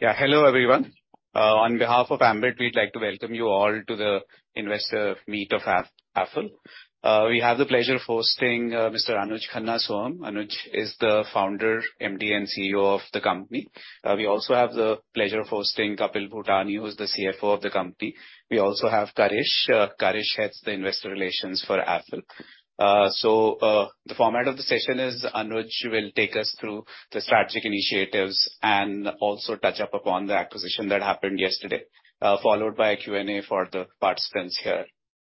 Hello, everyone. On behalf of Ambit, we'd like to welcome you all to the Investor Meet of Affle. We have the pleasure of hosting Mr. Anuj Khanna Sohum. Anuj is the Founder, MD, and CEO of the company. We also have the pleasure of hosting Kapil Bhutani, who is the CFO of the company. We also have Karish. Karish heads the Investor Relations for Affle. The format of the session is Anuj will take us through the strategic initiatives and also touch up upon the acquisition that happened yesterday, followed by a Q&A for the participants here,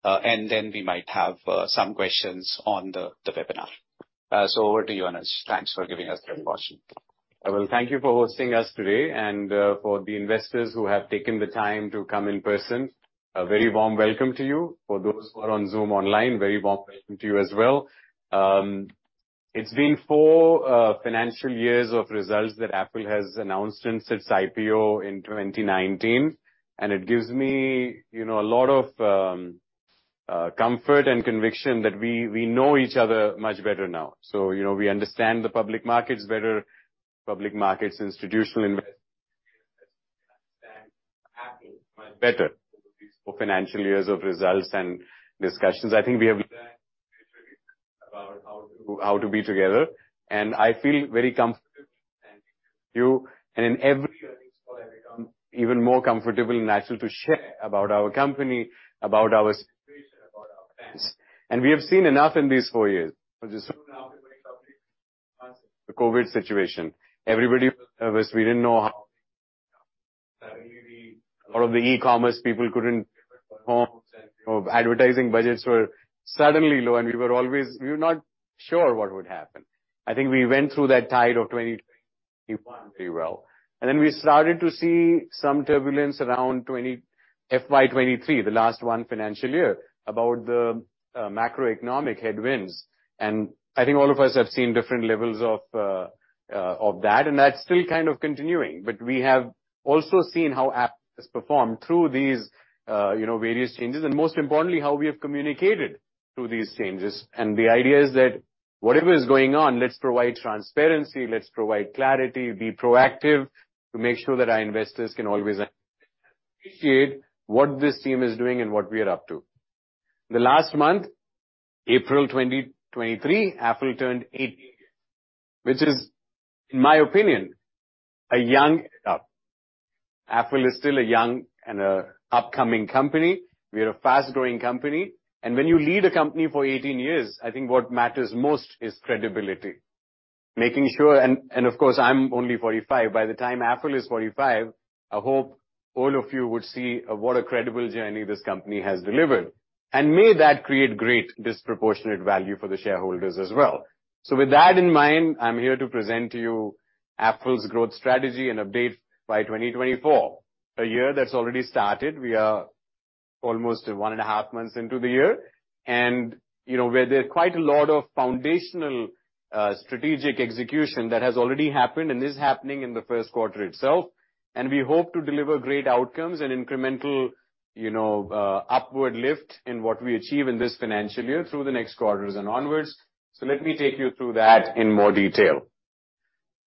and then we might have some questions on the webinar. Over to you, Anuj. Thanks for giving us the introduction. Well, thank you for hosting us today for the investors who have taken the time to come in person, a very warm welcome to you. For those who are on Zoom online, a very warm welcome to you as well. It's been four financial years of results that Affle has announced since its IPO in 2019, it gives me, you know, a lot of comfort and conviction that we know each other much better now. You know, we understand the public markets better, public markets, institutional investors, Affle much better for financial years of results and discussions. I think we have about how to be together, I feel very comfortable thank you. In every earnings call, I become even more comfortable and natural to share about our company, about our situation, about our plans. We have seen enough in these four years, which is the COVID situation. Everybody was nervous. We didn't know how. A lot of the e-commerce people couldn't go home, or advertising budgets were suddenly low, we were not sure what would happen. I think we went through that tide of 2021 pretty well. We started to see some turbulence around FY 2023, the last one financial year, about the macroeconomic headwinds, I think all of us have seen different levels of that, and that's still kind of continuing. We have also seen how Affle has performed through these, you know, various changes, most importantly, how we have communicated through these changes. The idea is that whatever is going on, let's provide transparency, let's provide clarity, be proactive to make sure that our investors can always appreciate what this team is doing and what we are up to. The last month, April 2023, Affle turned 18 years, which is, in my opinion, a young age. Affle is still a young and a upcoming company. We are a fast-growing company, and when you lead a company for 18 years, I think what matters most is credibility. Making sure, and of course, I'm only 45. By the time Affle is 45, I hope all of you would see what a credible journey this company has delivered, and may that create great disproportionate value for the shareholders as well. With that in mind, I'm here to present to you Affle's growth strategy and update by 2024, a year that's already started. We are almost one and a half months into the year, and, you know, where there are quite a lot of foundational strategic execution that has already happened and is happening in the first quarter itself, and we hope to deliver great outcomes and incremental, you know, upward lift in what we achieve in this financial year through the next quarters and onwards. Let me take you through that in more detail.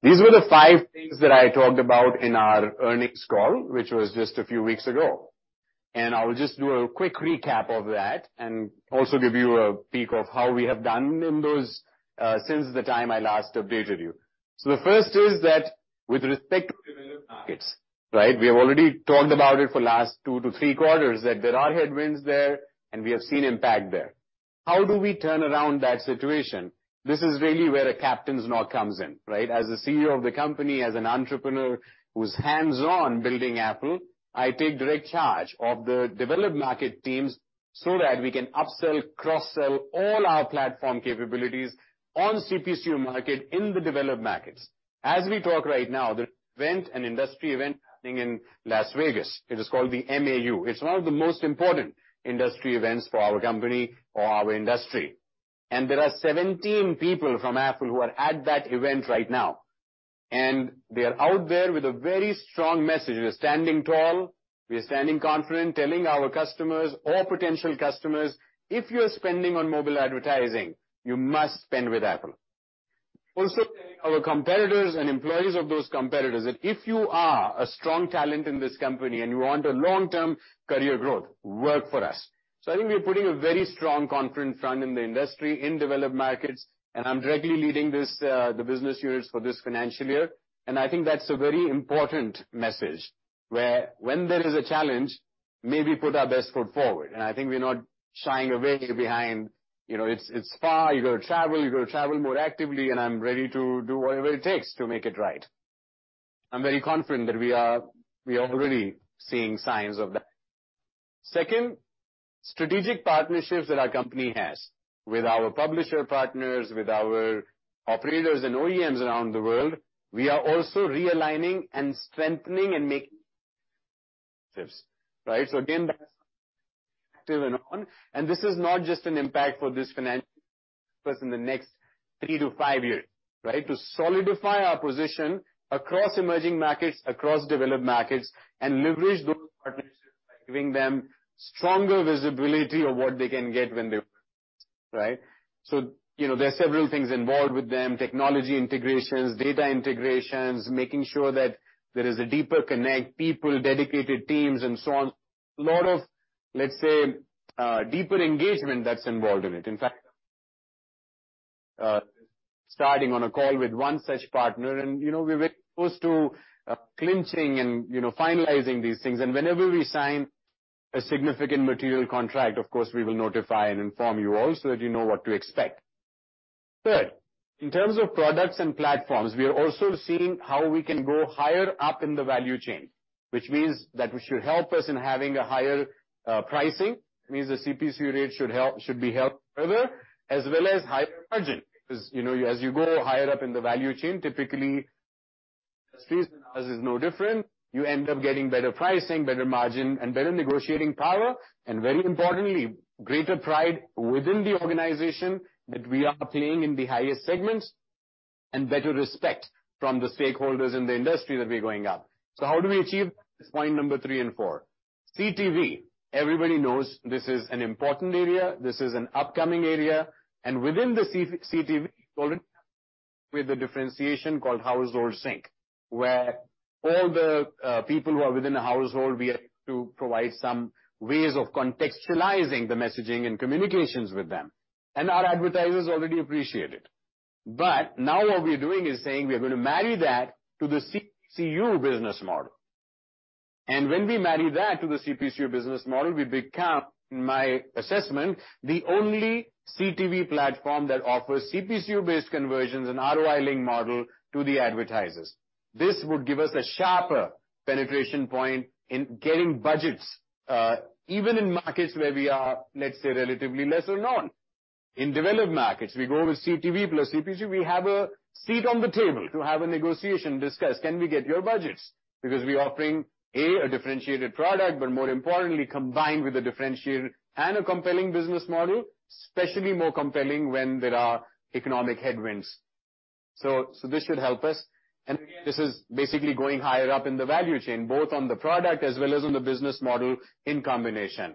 These were the five things that I talked about in our earnings call, which was just a few weeks ago, and I will just do a quick recap of that and also give you a peek of how we have done in those since the time I last updated you. The first is that with respect to developed markets, right? We have already talked about it for last two to three quarters, that there are headwinds there, and we have seen impact there. How do we turn around that situation? This is really where a captain's knot comes in, right? As a CEO of the company, as an entrepreneur who's hands-on building Affle, I take direct charge of the developed market teams so that we can upsell, cross-sell all our platform capabilities on CPCU market in the developed markets. As we talk right now, the event and industry event happening in Las Vegas, it is called the MAU. It's one of the most important industry events for our company or our industry. There are 17 people from Affle who are at that event right now, and they are out there with a very strong message. We are standing tall, we are standing confident, telling our customers or potential customers, "If you are spending on mobile advertising, you must spend with Affle." Also, our competitors and employees of those competitors, that if you are a strong talent in this company and you want a long-term career growth, work for us. I think we are putting a very strong, confident front in the industry, in developed markets, and I'm directly leading this the business units for this financial year. I think that's a very important message, where when there is a challenge, may we put our best foot forward. I think we're not shying away behind. You know, it's far. You got to travel, you got to travel more actively, and I'm ready to do whatever it takes to make it right. I'm very confident that we are already seeing signs of that. Second, strategic partnerships that our company has with our publisher partners, with our operators and OEMs around the world, we are also realigning and strengthening and making partnerships, right? Again, that's active and on, and this is not just an impact for this financial year, but in the next three to five years, right? To solidify our position across emerging markets, across developed markets, and leverage those partnerships by giving them stronger visibility of what they can get. Right? You know, there are several things involved with them, technology integrations, data integrations, making sure that there is a deeper connect, people, dedicated teams, and so on. A lot of, let's say, deeper engagement that's involved in it. In fact, starting on a call with one such partner, you know, we're very close to clinching and, you know, finalizing these things. Whenever we sign a significant material contract, of course, we will notify and inform you all so that you know what to expect. Third, in terms of products and platforms, we are also seeing how we can go higher up in the value chain, which means that we should help us in having a higher pricing. It means the CPC rate should be helped further, as well as higher margin, because, you know, as you go higher up in the value chain, typically, as is no different, you end up getting better pricing, better margin, and better negotiating power, and very importantly, greater pride within the organization that we are playing in the highest segments, and better respect from the stakeholders in the industry that we are going up. How do we achieve point number three and four? CTV, everybody knows this is an important area, this is an upcoming area, and within the CTV, with a differentiation called Household Sync, where all the people who are within a household, we have to provide some ways of contextualizing the messaging and communications with them, and our advertisers already appreciate it. Now what we are doing is saying we are gonna marry that to the CPCU business model. When we marry that to the CPCU business model, we become, in my assessment, the only CTV platform that offers CPCU-based conversions and ROI link model to the advertisers. This would give us a sharper penetration point in getting budgets, even in markets where we are, let's say, relatively less or known. In developed markets, we go with CTV plus CPC, we have a seat on the table to have a negotiation, discuss, can we get your budgets? We are offering, A, a differentiated product, but more importantly, combined with a differentiated and a compelling business model, especially more compelling when there are economic headwinds. This should help us, this is basically going higher up in the value chain, both on the product as well as on the business model in combination.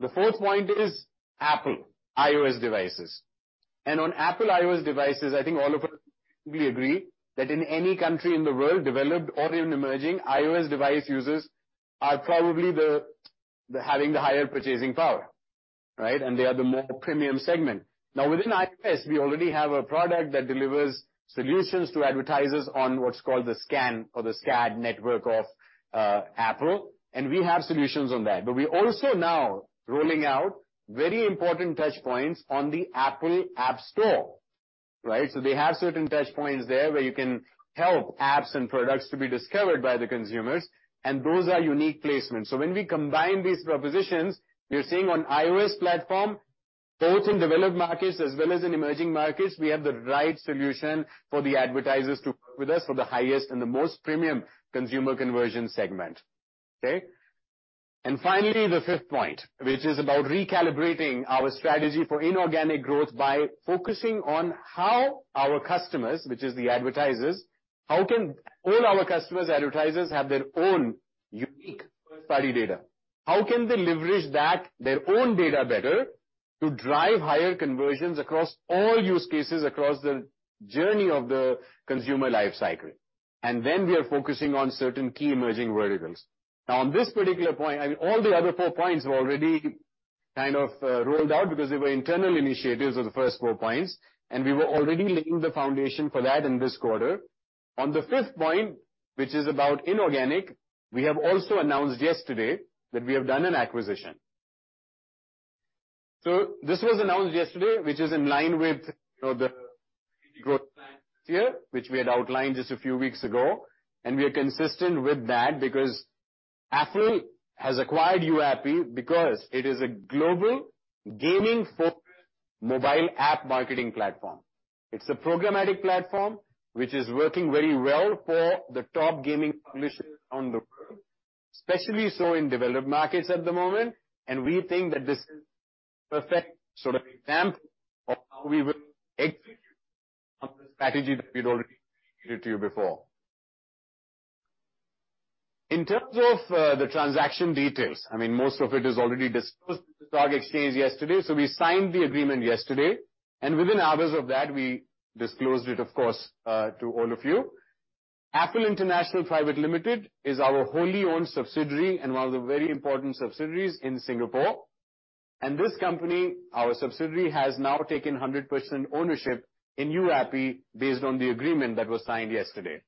The fourth point is Apple, iOS devices. On Apple iOS devices, I think all of us, we agree, that in any country in the world, developed or in emerging, iOS device users are probably having the higher purchasing power, right? They are the more premium segment. Now, within iOS, we already have a product that delivers solutions to advertisers on what's called the SKAN or the SKAdNetwork of Apple, and we have solutions on that. We're also now rolling out very important touch points on the Apple App Store, right? They have certain touch points there where you can help apps and products to be discovered by the consumers, and those are unique placements. When we combine these propositions, we are seeing on iOS platform, both in developed markets as well as in emerging markets, we have the right solution for the advertisers to work with us for the highest and the most premium Consumer Conversion segment, okay. Finally, the fifth point, which is about recalibrating our strategy for inorganic growth by focusing on how our customers, which is the advertisers, how can all our customers, advertisers, have their own unique first-party data? How can they leverage that, their own data better, to drive higher conversions across all use cases, across the journey of the consumer life cycle? We are focusing on certain key emerging verticals. On this particular point, I mean, all the other four points were already kind of rolled out because they were internal initiatives of the first four points, and we were already laying the foundation for that in this quarter. On the fifth point, which is about inorganic, we have also announced yesterday that we have done an acquisition. This was announced yesterday, which is in line with, you know, the growth plan here, which we had outlined just a few weeks ago. We are consistent with that because Affle has acquired YouAppi because it is a global gaming-focused mobile app marketing platform. It's a programmatic platform, which is working very well for the top gaming publishers on the group, especially so in developed markets at the moment. We think that this is the perfect sort of example of how we will execute on the strategy that we'd already stated to you before. In terms of the transaction details, I mean, most of it is already disclosed to the stock exchange yesterday. We signed the agreement yesterday, and within hours of that, we disclosed it, of course, to all of you. Affle International Private Limited is our wholly owned subsidiary and one of the very important subsidiaries in Singapore. This company, our subsidiary, has now taken 100% ownership in YouAppi based on the agreement that was signed yesterday.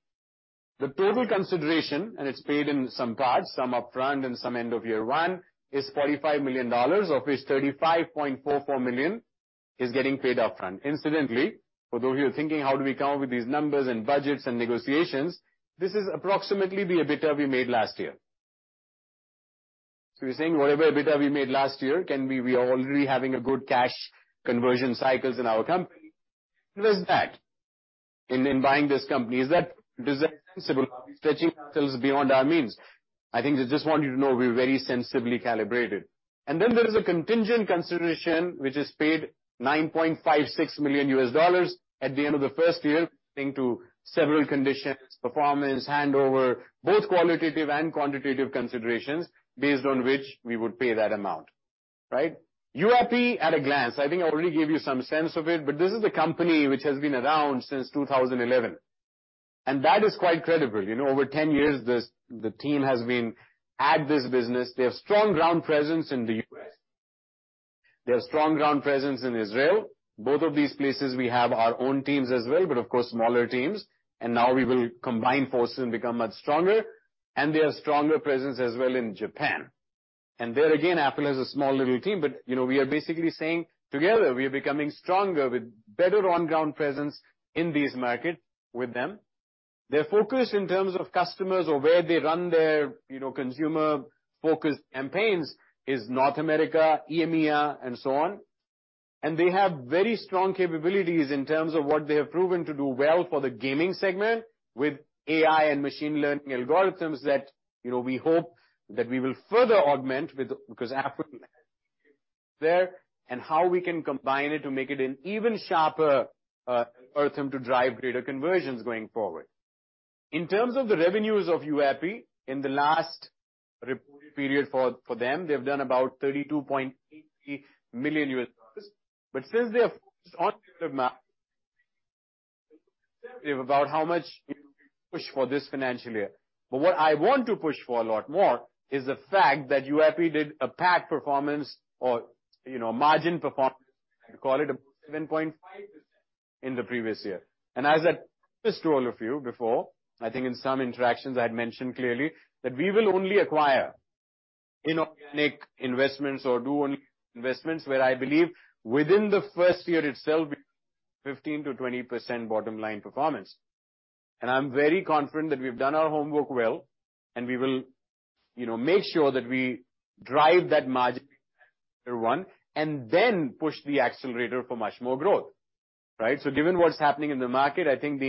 The total consideration, and it's paid in some parts, some upfront and some end of year one, is $45 million, of which $35.44 million is getting paid upfront. Incidentally, for those who are thinking, "How do we come up with these numbers and budgets and negotiations?" This is approximately the EBITDA we made last year. We're saying whatever EBITDA we made last year, we are already having a good cash conversion cycles in our company. It was that in buying this company, is that sensible? Are we stretching ourselves beyond our means? I think they just want you to know we're very sensibly calibrated. There is a contingent consideration, which is paid $9.56 million at the end of the first year, owing to several conditions, performance, handover, both qualitative and quantitative considerations, based on which we would pay that amount, right? YouAppi at a glance, I think I already gave you some sense of it, but this is a company which has been around since 2011. That is quite credible. You know, over 10 years, the team has been at this business. They have strong ground presence in the U.S. They have strong ground presence in Israel. Both of these places, we have our own teams as well, but of course, smaller teams, now we will combine forces and become much stronger. They have stronger presence as well in Japan. There, again, Affle has a small little team, but, you know, we are basically saying together, we are becoming stronger with better on-ground presence in these markets with them. Their focus in terms of customers or where they run their, you know, consumer-focused campaigns is North America, EMEA, and so on. They have very strong capabilities in terms of what they have proven to do well for the Gaming segment, with AI and machine learning algorithms that, you know, we hope that we will further augment with, because Affle there, and how we can combine it to make it an even sharper algorithm to drive greater conversions going forward. In terms of the revenues of YouAppi, in the last reported period for them, they've done about $32.8 million. Since they have focused on about how much push for this financial year. What I want to push for a lot more is the fact that YouAppi did a PAT performance or, you know, margin performance, I call it a 7.5% in the previous year. As I told all of you before, I think in some interactions I had mentioned clearly, that we will only acquire inorganic investments or do only investments where I believe within the first year itself, 15%-20% bottom line performance. I'm very confident that we've done our homework well, and we will, you know, make sure that we drive that margin, number one, and then push the accelerator for much more growth, right? Given what's happening in the market, I think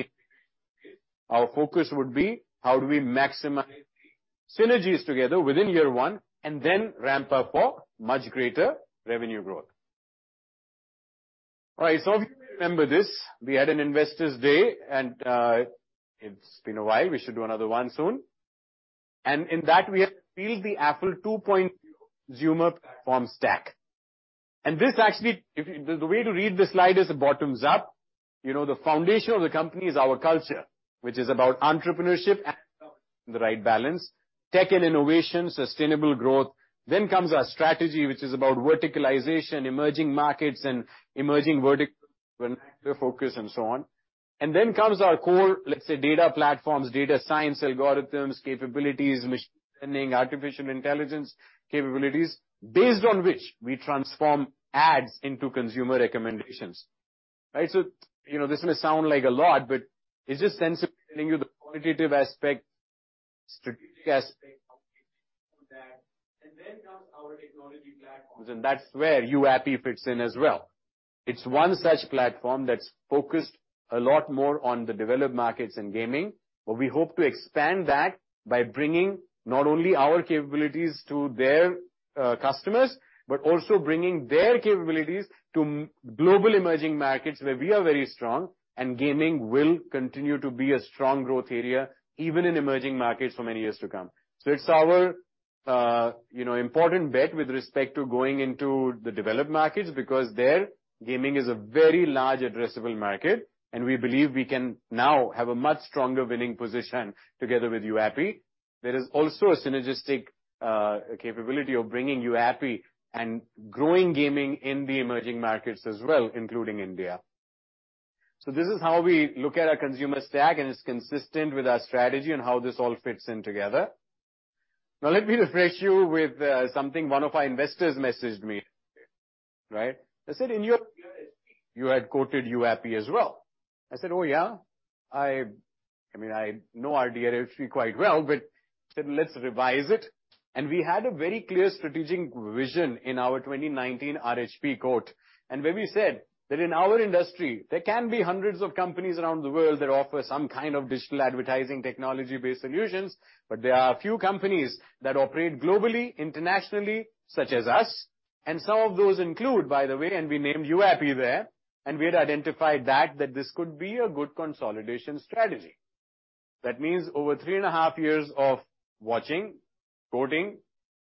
Our focus would be how do we maximize the synergies together within year one and then ramp up for much greater revenue growth. All right, remember this, we had an Investors Day, and it's been a while. We should do another one soon. In that, we have built the Affle2.0 consumer platform stack. This actually, the way to read this slide is bottoms up. You know, the foundation of the company is our culture, which is about entrepreneurship and the right balance, tech and innovation, sustainable growth. Comes our strategy, which is about verticalization, emerging markets and emerging verticals, focus and so on. Comes our core, let's say, data platforms, data science, algorithms, capabilities, machine learning, artificial intelligence capabilities, based on which we transform ads into consumer recommendations. Right? You know, this may sound like a lot, but it's just sensibly telling you the qualitative aspect, strategic aspect of that. Comes our technology platforms, and that's where YouAppi fits in as well. It's one such platform that's focused a lot more on the developed markets and gaming, but we hope to expand that by bringing not only our capabilities to their customers, but also bringing their capabilities to global emerging markets, where we are very strong, and gaming will continue to be a strong growth area, even in emerging markets for many years to come. It's our, you know, important bet with respect to going into the developed markets, because there, gaming is a very large addressable market, and we believe we can now have a much stronger winning position together with YouAppi. There is also a synergistic capability of bringing YouAppi and growing gaming in the emerging markets as well, including India. This is how we look at our consumer stack, and it's consistent with our strategy and how this all fits in together. Let me refresh you with something one of our investors messaged me, right? I said, "In your RHP, you had quoted YouAppi as well." I said, "Oh, yeah? I mean, I know our DRHP quite well, but said, "Let's revise it." We had a very clear strategic vision in our 2019 RHP quote, where we said that in our industry, there can be hundreds of companies around the world that offer some kind of digital advertising, technology-based solutions, but there are a few companies that operate globally, internationally, such as us, and some of those include, by the way, we named YouAppi there, and we had identified that this could be a good consolidation strategy. That means over three and a half years of watching, quoting,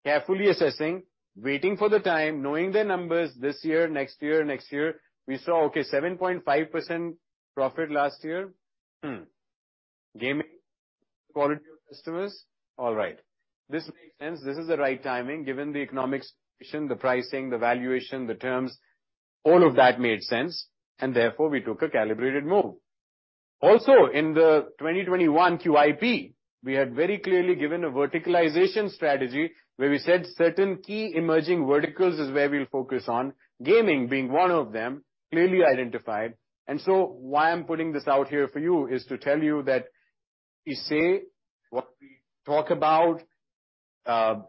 carefully assessing, waiting for the time, knowing their numbers this year, next year, next year. We saw, okay, 7.5% profit last year. Gaming quality of customers. All right. This makes sense. This is the right timing, given the economics, the pricing, the valuation, the terms, all of that made sense. We took a calibrated move. Also, in the 2021 QIP, we had very clearly given a verticalization strategy, where we said certain key emerging verticals is where we'll focus on, gaming being one of them, clearly identified. Why I'm putting this out here for you is to tell you that we say what we talk about,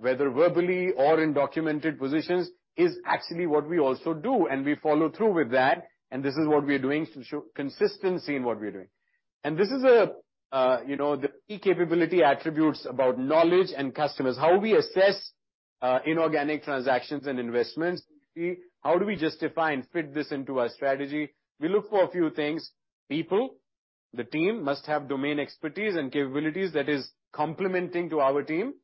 whether verbally or in documented positions, is actually what we also do, and we follow through with that, and this is what we are doing to show consistency in what we are doing. This is a, you know, the key capability attributes about knowledge and customers, how we assess inorganic transactions and investments. How do we justify and fit this into our strategy? We look for a few things: People, the team must have domain expertise and capabilities that is complementing to our team.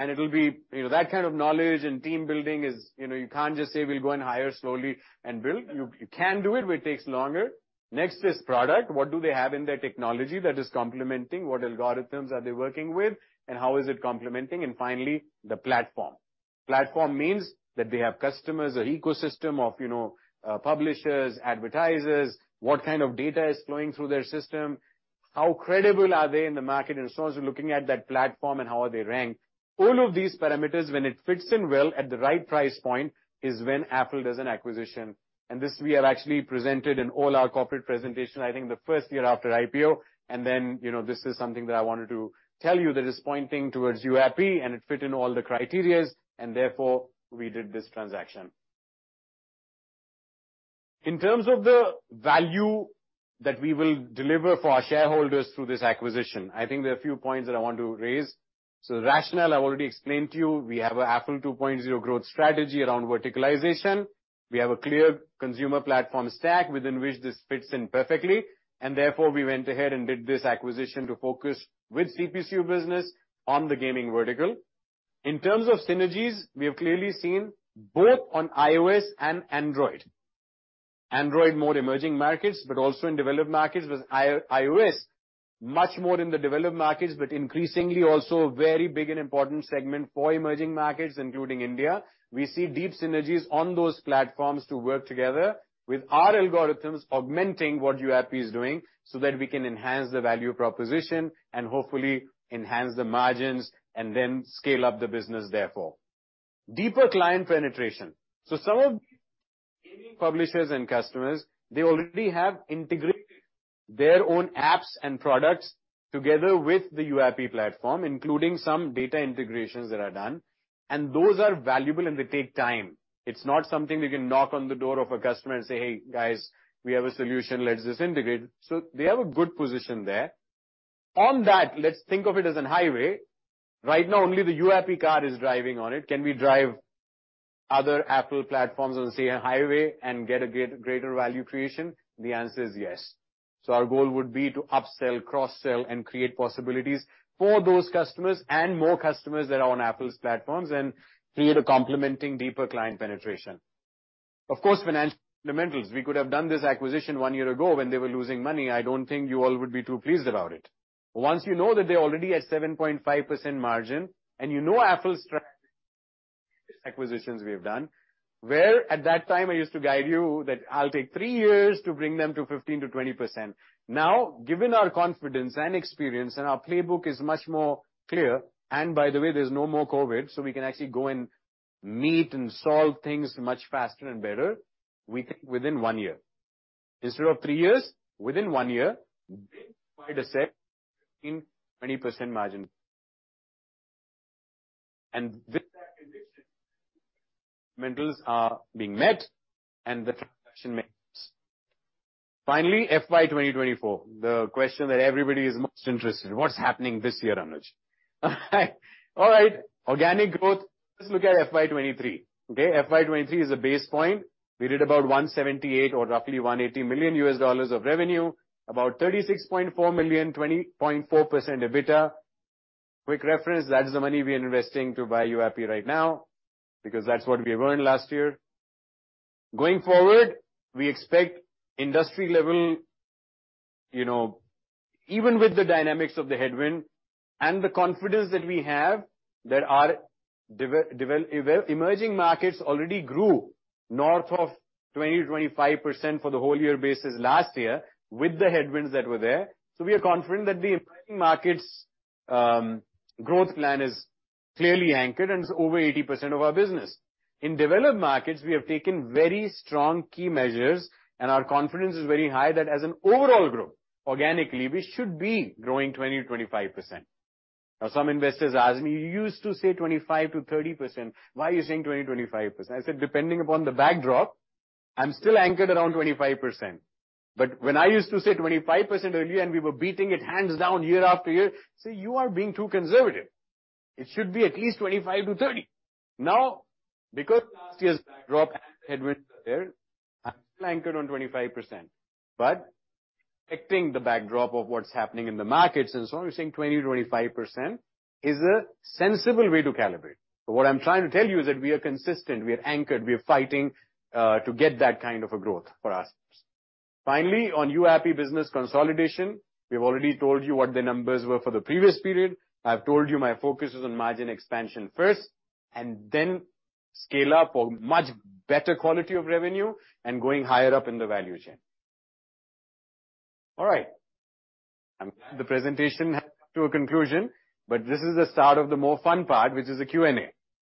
It'll be, you know, that kind of knowledge and team building is, you know, you can't just say we'll go and hire slowly and build. You can do it, but it takes longer. Next is product. What do they have in their technology that is complementing? What algorithms are they working with, and how is it complementing? Finally, the platform. Platform means that they have customers or ecosystem of, you know, publishers, advertisers, what kind of data is flowing through their system? How credible are they in the market, and so on. Looking at that platform and how are they ranked. All of these parameters, when it fits in well at the right price point, is when Affle does an acquisition. This we have actually presented in all our corporate presentation, I think the first year after IPO, and then, you know, this is something that I wanted to tell you that is pointing towards YouAppi, and it fit in all the criterias, and therefore, we did this transaction. In terms of the value that we will deliver for our shareholders through this acquisition, I think there are a few points that I want to raise. The rationale I already explained to you, we have a Affle2.0 growth strategy around verticalization. We have a clear consumer platform stack within which this fits in perfectly. Therefore, we went ahead and did this acquisition to focus with CPCU business on the gaming vertical. In terms of synergies, we have clearly seen both on iOS and Android. Android, more emerging markets, but also in developed markets, with iOS, much more in the developed markets, but increasingly also a very big and important segment for emerging markets, including India. We see deep synergies on those platforms to work together with our algorithms augmenting what YouAppi is doing, so that we can enhance the value proposition and hopefully enhance the margins and then scale up the business, therefore. Deeper client penetration. Some of gaming publishers and customers, they already have integrated their own apps and products together with the YouAppi platform, including some data integrations that are done, and those are valuable, and they take time. It's not something we can knock on the door of a customer and say, "Hey, guys, we have a solution, let's just integrate." They have a good position there. On that, let's think of it as a highway. Right now, only the YouAppi car is driving on it. Can we drive other Affle platforms on, say, a highway and get a greater value creation? The answer is yes. Our goal would be to upsell, cross-sell, and create possibilities for those customers and more customers that are on Affle's platforms and create a complementing, deeper client penetration. Financial fundamentals, we could have done this acquisition one year ago when they were losing money. I don't think you all would be too pleased about it. Once you know that they're already at 7.5% margin, you know Affle's strategy acquisitions we have done, where at that time I used to guide you that I'll take three years to bring them to 15%-20%. Given our confidence and experience, our playbook is much more clear, there's no more COVID, so we can actually go and meet and solve things much faster and better, we think within one year. Instead of three years, within one year, they quite a set 15%-20% margin. With that condition, fundamentals are being met and the transaction makes sense. Finally, FY 2024, the question that everybody is most interested in: What's happening this year, Anuj? Organic growth. Let's look at FY 2023, okay? FY 2023 is a base point. We did about $178 million or roughly $180 million of revenue, about $36.4 million, 20.4% EBITDA. Quick reference, that is the money we are investing to buy YouAppi right now, because that's what we earned last year. Going forward, we expect industry level, you know, even with the dynamics of the headwind and the confidence that we have, that our emerging markets already grew north of 20%-25% for the whole year basis last year with the headwinds that were there. We are confident that the emerging markets growth plan is clearly anchored and is over 80% of our business. In developed markets, we have taken very strong key measures, and our confidence is very high that as an overall growth, organically, we should be growing 20%-25%. Some investors ask me, "You used to say 25%-30%. Why are you saying 20%-25%?" I said, "Depending upon the backdrop, I'm still anchored around 25%." When I used to say 25% earlier and we were beating it hands down year after year, say, "You are being too conservative. It should be at least 25%-30%." Because last year's backdrop and headwinds are there, I'm still anchored on 25%, but affecting the backdrop of what's happening in the markets, and so I'm saying 20%-25% is a sensible way to calibrate. What I'm trying to tell you is that we are consistent, we are anchored, we are fighting to get that kind of a growth for our customers. Finally, on YouAppi business consolidation, we've already told you what the numbers were for the previous period. I've told you my focus is on margin expansion first, and then scale up a much better quality of revenue and going higher up in the value chain. All right. The presentation has to a conclusion, but this is the start of the more fun part, which is the Q&A,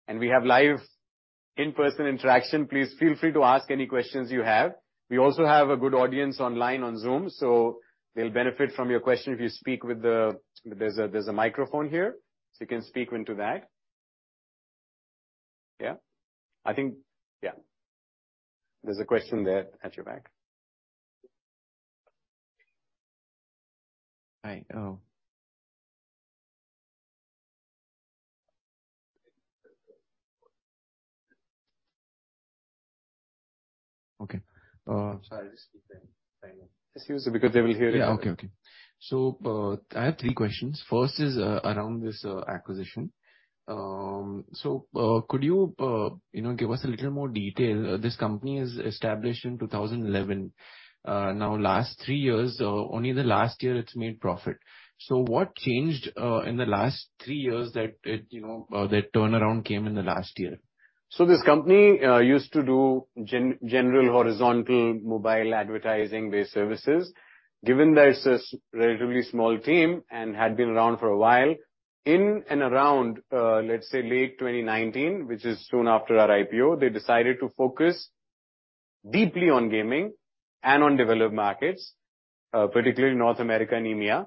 and we have live in-person interaction. Please feel free to ask any questions you have. We also have a good audience online on Zoom, so they'll benefit from your question if you speak. There's a microphone here, so you can speak into that. Yeah? I think, yeah. There's a question there at your back. Oh. Okay. Sorry to speak then. Excuse me, because they will hear it. Yeah. Okay, okay. I have three questions. First is around this acquisition. Could you know, give us a little more detail? This company is established in 2011. Now, last three years, only the last year it's made profit. What changed in the last three years that it, you know, that turnaround came in the last year? This company, used to do general horizontal mobile advertising-based services. Given that it's a relatively small team and had been around for a while, in and around, let's say, late 2019, which is soon after our IPO, they decided to focus deeply on gaming and on developed markets, particularly North America and EMEA.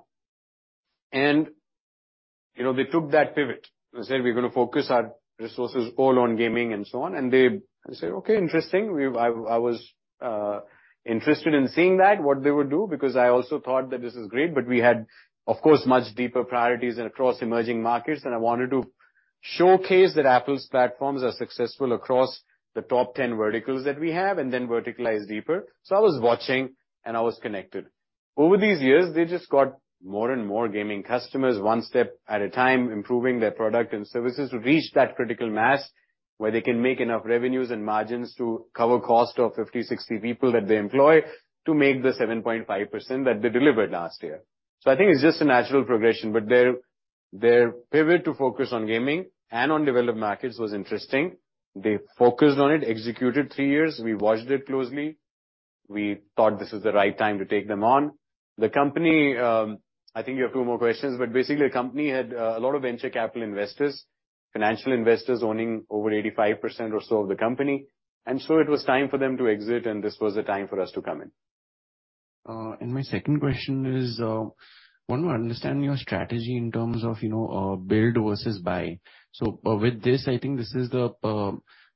You know, they took that pivot and said, "We're gonna focus our resources all on gaming, and so on." I said, "Okay, interesting." I was interested in seeing that, what they would do, because I also thought that this is great, but we had, of course, much deeper priorities and across emerging markets, and I wanted to showcase that Affle's platforms are successful across the top 10 verticals that we have, and then verticalize deeper. I was watching, and I was connected. Over these years, they just got more and more gaming customers, one step at a time, improving their product and services to reach that critical mass, where they can make enough revenues and margins to cover cost of 50, 60 people that they employ to make the 7.5% that they delivered last year. I think it's just a natural progression, but their pivot to focus on gaming and on developed markets was interesting. They focused on it, executed three years. We watched it closely. We thought this was the right time to take them on. The company. I think you have more questions, but basically, the company had a lot of venture capital investors, financial investors owning over 85% or so of the company, and so it was time for them to exit, and this was the time for us to come in. My second question is, want to understand your strategy in terms of, you know, build versus buy. With this, I think this is the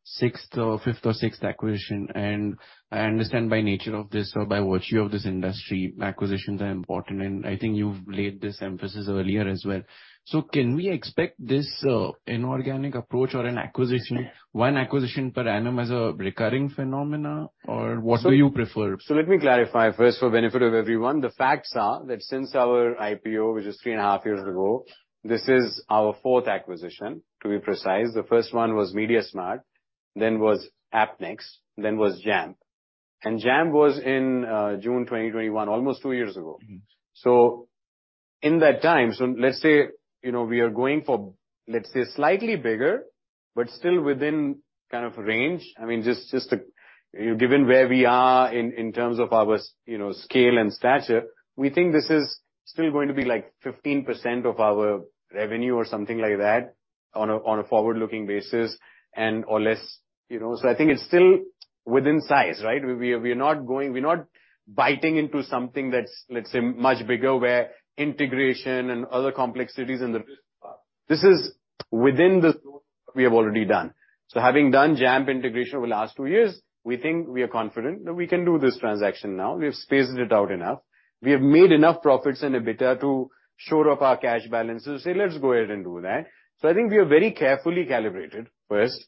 sixth or fifth or sixth acquisition, and I understand by nature of this or by virtue of this industry, acquisitions are important, and I think you've laid this emphasis earlier as well. Can we expect this inorganic approach or an acquisition, one acquisition per annum as a recurring phenomena, or what do you prefer? Let me clarify first for benefit of everyone. The facts are that since our IPO, which is 3.5 years ago, this is our fourth acquisition, to be precise. The first one was Mediasmart, then was Appnext, then was Jampp. Jampp was in June 2021, almost two years ago. In that time, let's say, you know, we are going for, let's say, slightly bigger, but still within kind of range. I mean, just to, you know, given where we are in terms of our, you know, scale and stature, we think this is still going to be like 15% of our revenue or something like that on a forward-looking basis and or less, you know. I think it's still within size, right? We're not biting into something that's, let's say, much bigger, where integration and other complexities and the... This is within the scope we have already done. Having done Jampp integration over the last two years, we think we are confident that we can do this transaction now. We have spaced it out enough. We have made enough profits and EBITDA to shore up our cash balances, say, "Let's go ahead and do that." I think we are very carefully calibrated, first.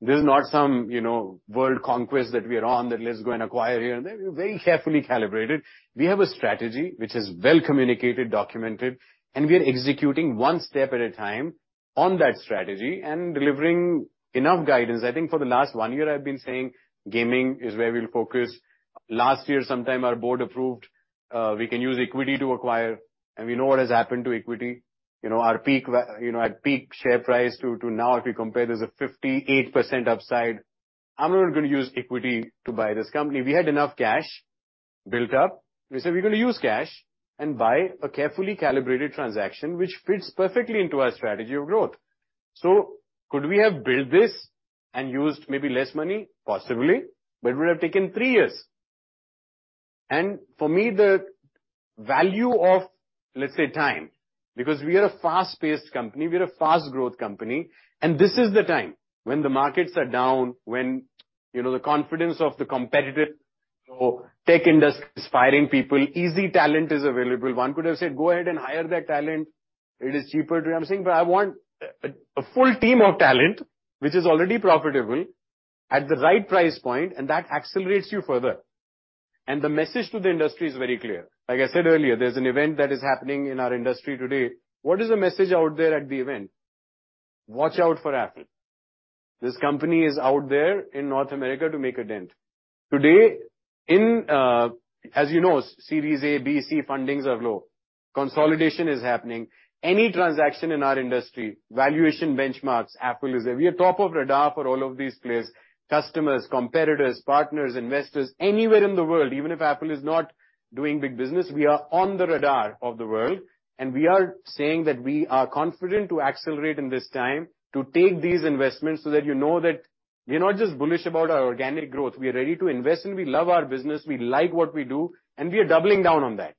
This is not some, you know, world conquest that we are on, that let's go and acquire here. We're very carefully calibrated. We have a strategy which is well communicated, documented, and we are executing one step at a time on that strategy and delivering enough guidance. I think for the last one year, I've been saying gaming is where we'll focus. Last year, sometime, our board approved, we can use equity to acquire, and we know what has happened to equity. You know, our peak, you know, at peak share price to now, if we compare, there's a 58% upside. I'm not gonna use equity to buy this company. We had enough cash built up. We said we're gonna use cash and buy a carefully calibrated transaction, which fits perfectly into our strategy of growth. Could we have built this and used maybe less money? Possibly, but it would have taken three years. For me, the value of, let's say, time, because we are a fast-paced company, we're a fast-growth company, and this is the time when the markets are down, when, you know, the confidence of the competitive or tech industry is firing people, easy talent is available. One could have said: Go ahead and hire that talent, it is cheaper. I'm saying, but I want a full team of talent, which is already profitable at the right price point, and that accelerates you further. The message to the industry is very clear. Like I said earlier, there's an event that is happening in our industry today. What is the message out there at the event? Watch out for Affle. This company is out there in North America to make a dent. Today, in, as you know, Series A, B, C fundings are low. Consolidation is happening. Any transaction in our industry, valuation, benchmarks, Apple is there. We are top of radar for all of these players, customers, competitors, partners, investors, anywhere in the world. Even if Affle is not doing big business, we are on the radar of the world. We are saying that we are confident to accelerate in this time, to take these investments, so that you know that we are not just bullish about our organic growth. We are ready to invest. We love our business, we like what we do. We are doubling down on that.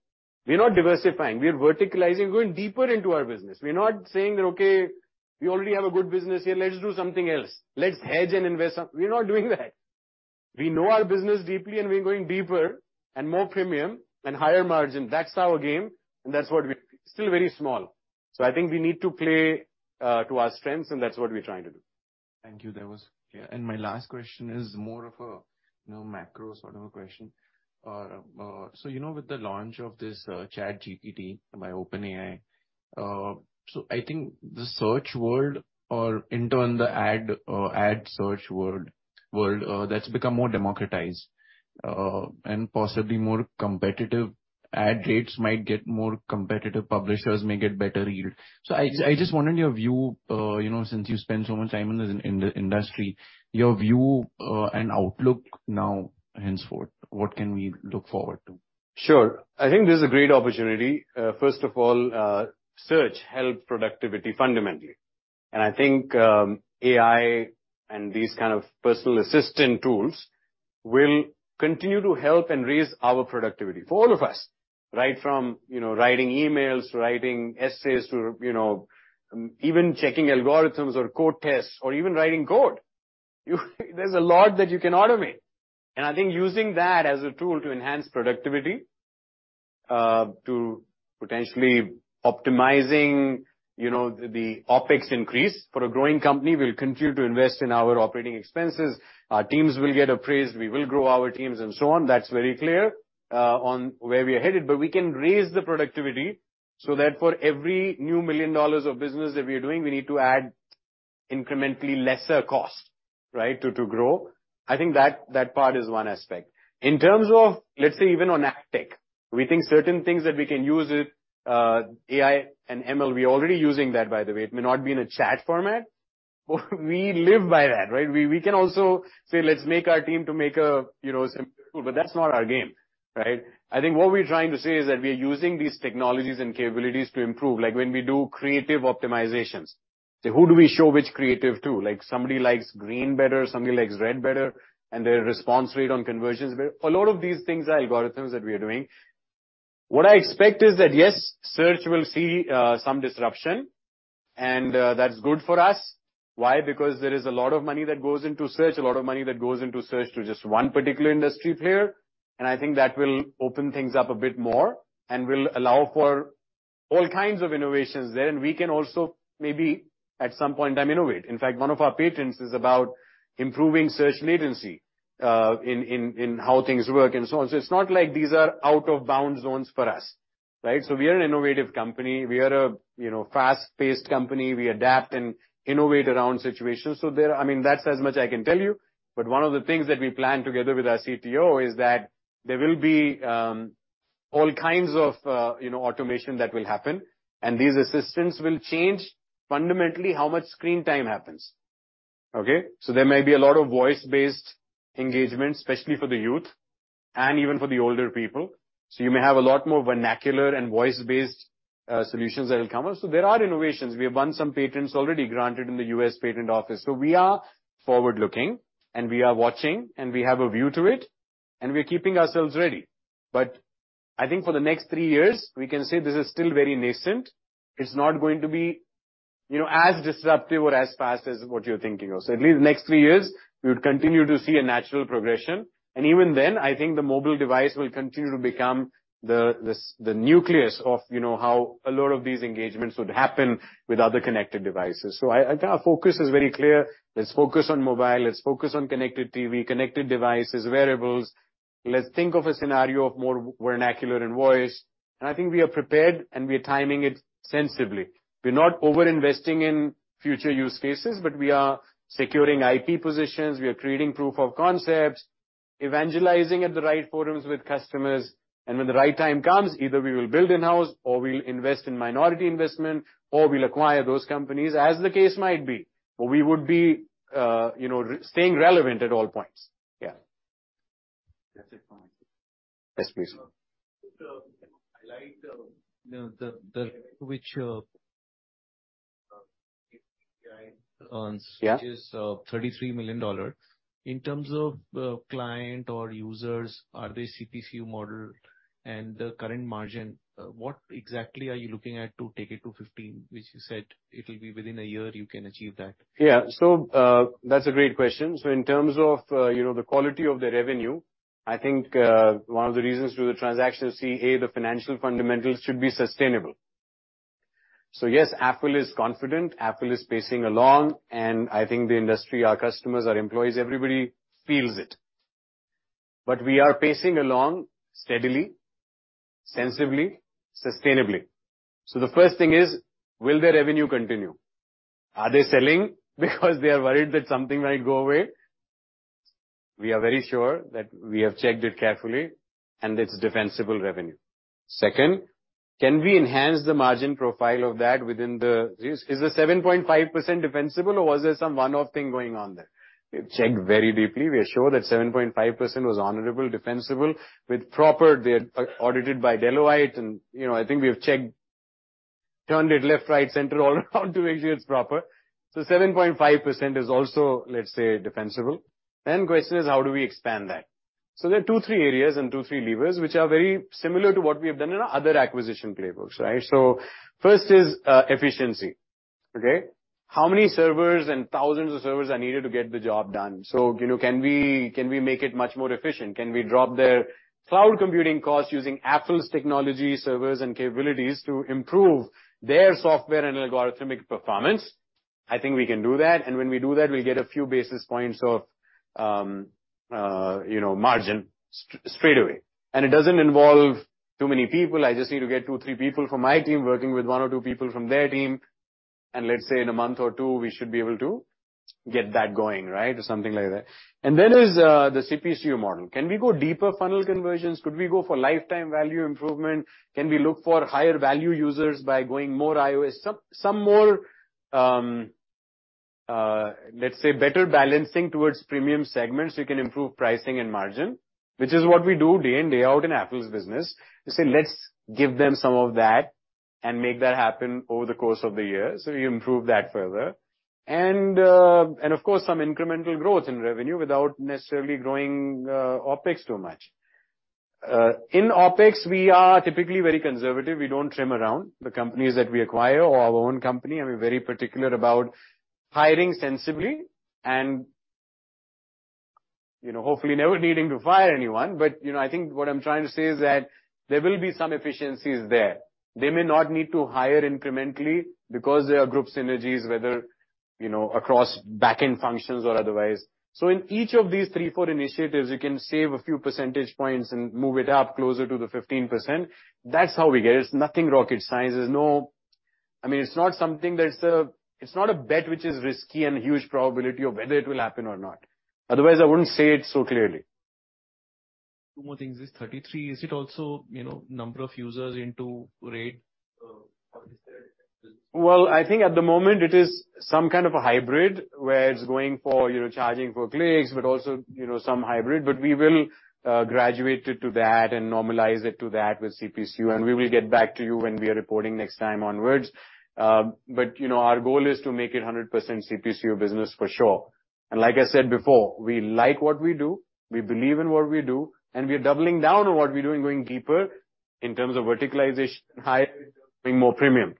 We're not diversifying, we are verticalizing, going deeper into our business. We're not saying that, okay, we already have a good business here, let's do something else. Let's hedge and invest some. We're not doing that. We know our business deeply, and we're going deeper and more premium and higher margin. That's our game. Still very small. I think we need to play to our strengths, and that's what we're trying to do. Thank you. That was clear. My last question is more of a, you know, macro sort of a question. You know with the launch of this ChatGPT by OpenAI, so I think the search world, or in turn, the ad search world, that's become more democratized and possibly more competitive. Ad rates might get more competitive, publishers may get better yield. I just wanted your view, you know, since you've spent so much time in this in the industry, your view and outlook now henceforth, what can we look forward to? Sure. I think this is a great opportunity. First of all, search help productivity fundamentally. I think AI and these kind of personal assistant tools will continue to help and raise our productivity for all of us, right? From, you know, writing emails, writing essays, to, you know, even checking algorithms or code tests or even writing code. There's a lot that you can automate, and I think using that as a tool to enhance productivity, to potentially optimizing, you know, the OpEx increase for a growing company, we'll continue to invest in our operating expenses. Our teams will get appraised, we will grow our teams and so on. That's very clear on where we are headed. We can raise the productivity so that for every new million dollars of business that we are doing, we need to add incrementally lesser cost, right? To grow. I think that part is one aspect. In terms of, let's say even on app tech, we think certain things that we can use it, AI and ML, we're already using that, by the way. It may not be in a chat format, but we live by that, right? We can also say, let's make our team to make a, you know, simple tool, but that's not our game, right? I think what we're trying to say is that we are using these technologies and capabilities to improve, like when we do creative optimizations. Who do we show which creative to? Like, somebody likes green better, somebody likes red better, and their response rate on conversions better. A lot of these things are algorithms that we are doing. What I expect is that, yes, search will see some disruption, and that's good for us. Why? Because there is a lot of money that goes into search, a lot of money that goes into search to just one particular industry player, and I think that will open things up a bit more and will allow for all kinds of innovations there. We can also maybe at some point in time innovate. In fact, one of our patents is about improving search latency, in, in how things work and so on. It's not like these are out of bounds zones for us, right? We are an innovative company. We are a, you know, fast-paced company. We adapt and innovate around situations. I mean, that's as much I can tell you. One of the things that we plan together with our CTO is that there will be all kinds of, you know, automation that will happen, and these assistants will change fundamentally how much screen time happens, okay? There may be a lot of voice-based engagement, especially for the youth and even for the older people, so you may have a lot more vernacular and voice-based solutions that will come up. There are innovations. We have won some patents already granted in the U.S. Patent Office. We are forward-looking, and we are watching, and we have a view to it, and we're keeping ourselves ready. I think for the next three years, we can say this is still very nascent. It's not going to be, you know, as disruptive or as fast as what you're thinking of. At least the next three years, we would continue to see a natural progression, and even then, I think the mobile device will continue to become the nucleus of, you know, how a lot of these engagements would happen with other connected devices. I think our focus is very clear. Let's focus on mobile, let's focus on connected TV, connected devices, wearables. Let's think of a scenario of more vernacular and voice, and I think we are prepared, and we are timing it sensibly. We're not over-investing in future use cases. We are securing IP positions, we are creating proof of concepts, evangelizing at the right forums with customers. When the right time comes, either we will build in-house or we'll invest in minority investment, or we'll acquire those companies, as the case might be. We would be, you know, staying relevant at all points. Yeah. That's it for me. Yes, please. I like the, which. Yeah. Which is $33 million. In terms of client or users, are they CPC model? The current margin, what exactly are you looking at to take it to 15%, which you said it'll be within a year you can achieve that? Yeah. That's a great question. In terms of, you know, the quality of the revenue, I think one of the reasons for the transaction is, C, A, the financial fundamentals should be sustainable. Yes, Affle is confident, Affle is pacing along, and I think the industry, our customers, our employees, everybody feels it. We are pacing along steadily, sensibly, sustainably. The first thing is, will the revenue continue? Are they selling because they are worried that something might go away? We are very sure that we have checked it carefully, and it's defensible revenue. Second, can we enhance the margin profile of that within the... Is the 7.5% defensible, or was there some one-off thing going on there? We've checked very deeply. We are sure that 7.5% was honorable, defensible, with proper... They are audited by Deloitte, you know, I think we have checked, turned it left, right, center, all around to make sure it's proper. 7.5% is also, let's say, defensible. Question is, how do we expand that? There are two, three areas and two, three levers, which are very similar to what we have done in our other acquisition playbooks, right? First is efficiency. Okay? How many servers and thousands of servers are needed to get the job done? You know, can we make it much more efficient? Can we drop their cloud computing costs using Affle's technology, servers, and capabilities to improve their software and algorithmic performance? I think we can do that, and when we do that, we'll get a few basis points of, you know, margin straight away. It doesn't involve too many people. I just need to get two, three people from my team working with one or two people from their team, and let's say, in a month or two, we should be able to get that going, right? Something like that. There's the CPCU model. Can we go deeper funnel conversions? Could we go for lifetime value improvement? Can we look for higher value users by going more iOS? Some more, let's say better balancing towards premium segments, we can improve pricing and margin, which is what we do day in, day out in Affle's business. Let's give them some of that and make that happen over the course of the year, so you improve that further. Of course, some incremental growth in revenue without necessarily growing OpEx too much. In OpEx, we are typically very conservative. We don't trim around the companies that we acquire or our own company, and we're very particular about hiring sensibly and, you know, hopefully never needing to fire anyone. You know, I think what I'm trying to say is that there will be some efficiencies there. They may not need to hire incrementally because there are group synergies, whether, you know, across back-end functions or otherwise. In each of these three, four initiatives, you can save a few percentage points and move it up closer to the 15%. That's how we get it. It's nothing rocket science. I mean, it's not something that's. It's not a bet which is risky and huge probability of whether it will happen or not. Otherwise, I wouldn't say it so clearly. Two more things. This 33, is it also, you know, number of users into rate, how is that? Well, I think at the moment it is some kind of a hybrid, where it's going for, you know, charging for clicks, but also, you know, some hybrid. We will graduate it to that and normalize it to that with CPCU, and we will get back to you when we are reporting next time onwards. You know, our goal is to make it 100% CPCU business for sure. Like I said before, we like what we do, we believe in what we do, and we are doubling down on what we're doing, going deeper in terms of verticalization, higher, being more premium.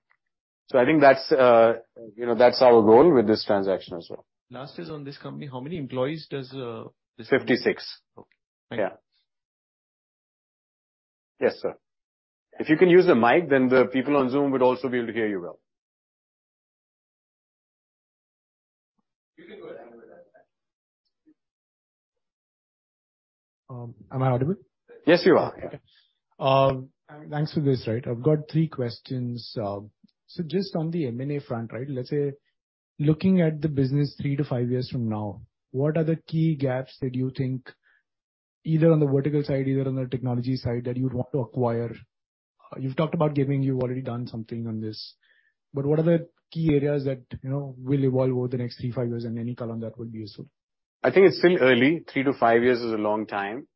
I think that's, you know, that's our goal with this transaction as well. Last is on this company, how many employees does? Fifty-six. Okay. Yeah. Yes, sir. If you can use the mic, then the people on Zoom would also be able to hear you well. You can go ahead with that. Am I audible? Yes, you are. Okay. Thanks for this, right. I've got three questions. Just on the M&A front, right? Let's say, looking at the business three to five years from now, what are the key gaps that you think, either on the vertical side, either on the technology side, that you'd want to acquire? You've talked about giving, you've already done something on this, but what are the key areas that, you know, will evolve over the next three, five years? Any color on that would be useful. I think it's still early. Three to five years is a long time.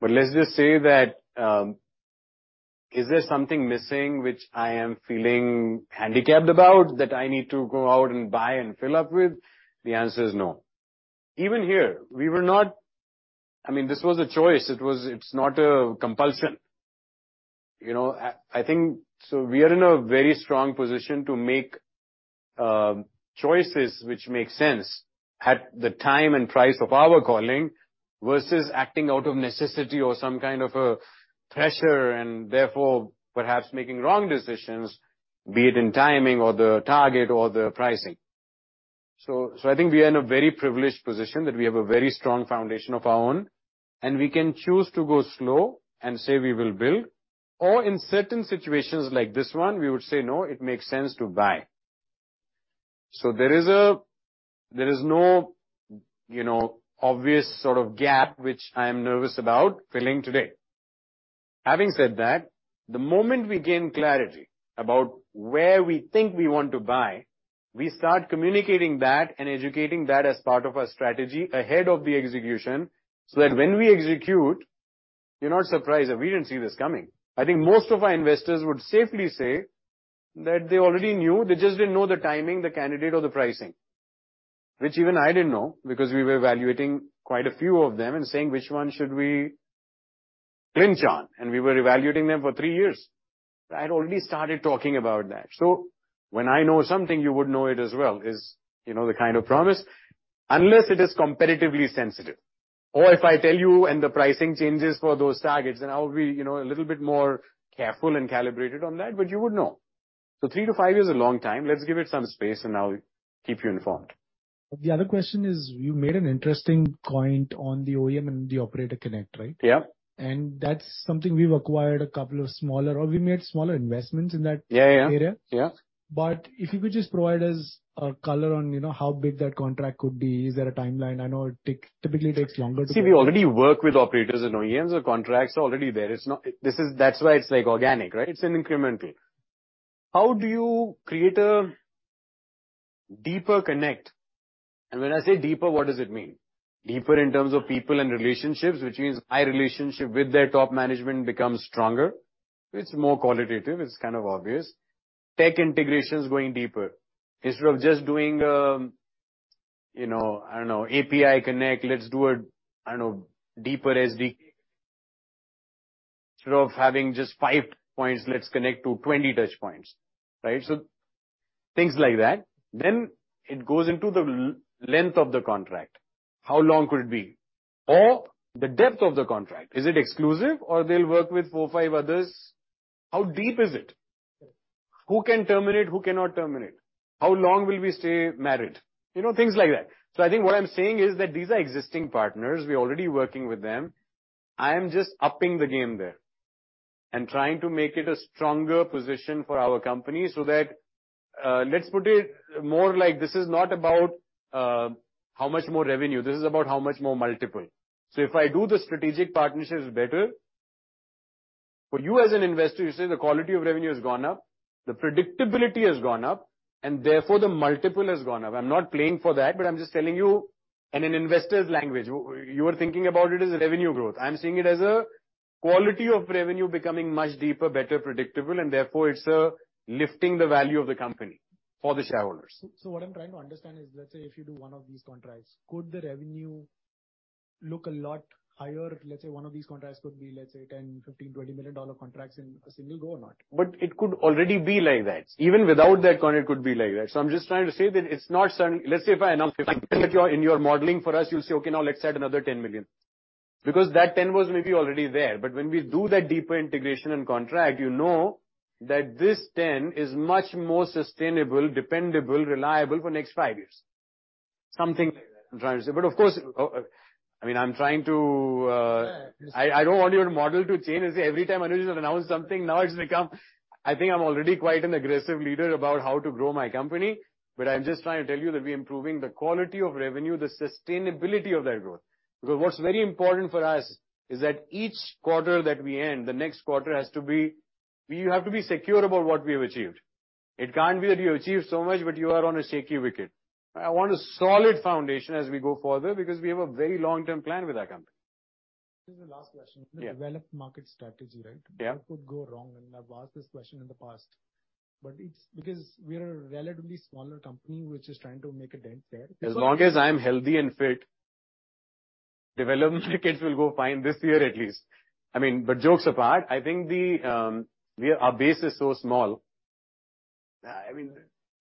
Let's just say that, is there something missing which I am feeling handicapped about, that I need to go out and buy and fill up with? The answer is no. Even here, I mean, this was a choice. It's not a compulsion, you know? I think we are in a very strong position to make choices which make sense at the time and price of our calling, versus acting out of necessity or some kind of a pressure, and therefore, perhaps making wrong decisions, be it in timing or the target or the pricing. I think we are in a very privileged position that we have a very strong foundation of our own, and we can choose to go slow and say, we will build, or in certain situations like this one, we would say, "No, it makes sense to buy." There is no, you know, obvious sort of gap which I am nervous about filling today. Having said that, the moment we gain clarity about where we think we want to buy, we start communicating that and educating that as part of our strategy ahead of the execution, so that when we execute, you're not surprised that we didn't see this coming. I think most of our investors would safely say that they already knew, they just didn't know the timing, the candidate or the pricing, which even I didn't know, because we were evaluating quite a few of them and saying, "Which one should we clinch on?" We were evaluating them for three years. I had already started talking about that. When I know something, you would know it as well, is, you know, the kind of promise, unless it is competitively sensitive. If I tell you and the pricing changes for those targets, then I will be, you know, a little bit more careful and calibrated on that, but you would know. Three to five years is a long time. Let's give it some space, and I'll keep you informed. The other question is, you made an interesting point on the OEM and the operator connect, right? Yeah. That's something we've acquired a couple of smaller, or we made smaller investments in. Yeah, yeah. -area. If you could just provide us a color on, you know, how big that contract could be. Is there a timeline? I know it typically takes longer. See, we already work with operators and OEMs, the contract's already there. This is, that's why it's like organic, right? It's an incremental. How do you create a deeper connect? When I say deeper, what does it mean? Deeper in terms of people and relationships, which means my relationship with their top management becomes stronger. It's more qualitative, it's kind of obvious. Tech integration is going deeper. Instead of just doing, you know, I don't know, API connect, let's do a, I don't know, instead of having just five points, let's connect to 20 touch points, right? Things like that. It goes into the length of the contract. How long could it be? The depth of the contract, is it exclusive or they'll work with four, five others? How deep is it? Who can terminate, who cannot terminate? How long will we stay married? You know, things like that. I think what I'm saying is that these are existing partners, we're already working with them. I'm just upping the game there and trying to make it a stronger position for our company so that, let's put it more like this is not about how much more revenue, this is about how much more multiple. If I do the strategic partnerships better, for you as an investor, you say the quality of revenue has gone up, the predictability has gone up, and therefore, the multiple has gone up. I'm not playing for that, but I'm just telling you in an investor's language. You are thinking about it as a revenue growth. I'm seeing it as a quality of revenue becoming much deeper, better, predictable, and therefore, it's lifting the value of the company for the shareholders. What I'm trying to understand is, let's say, if you do one of these contracts, could the revenue look a lot higher? Let's say one of these contracts could be, let's say, $10 million, $15 million, $20 million contracts in a single go or not? It could already be like that. Even without that contract, it could be like that. I'm just trying to say that it's not certain. Let's say if I announce, in your modeling for us, you'll say, "Okay, now let's add another $10 million." Because that $10 million was maybe already there, but when we do that deeper integration and contract, you know that this $10 million is much more sustainable, dependable, reliable for next five years. Something like that I'm trying to say. Of course, I mean, I'm trying to... I don't want your model to change. Every time Anuj will announce something, I think I'm already quite an aggressive leader about how to grow my company, but I'm just trying to tell you that we're improving the quality of revenue, the sustainability of that growth. What's very important for us is that each quarter that we end, the next quarter has to be. We have to be secure about what we have achieved. It can't be that you achieved so much, but you are on a shaky wicket. I want a solid foundation as we go further because we have a very long-term plan with our company. This is the last question. Yeah. Developed market strategy, right? Yeah. What could go wrong, I've asked this question in the past. It's because we are a relatively smaller company, which is trying to make a dent there. As long as I'm healthy and fit, developed markets will go fine this year at least. I mean, jokes apart, I think the, we are, our base is so small, I mean,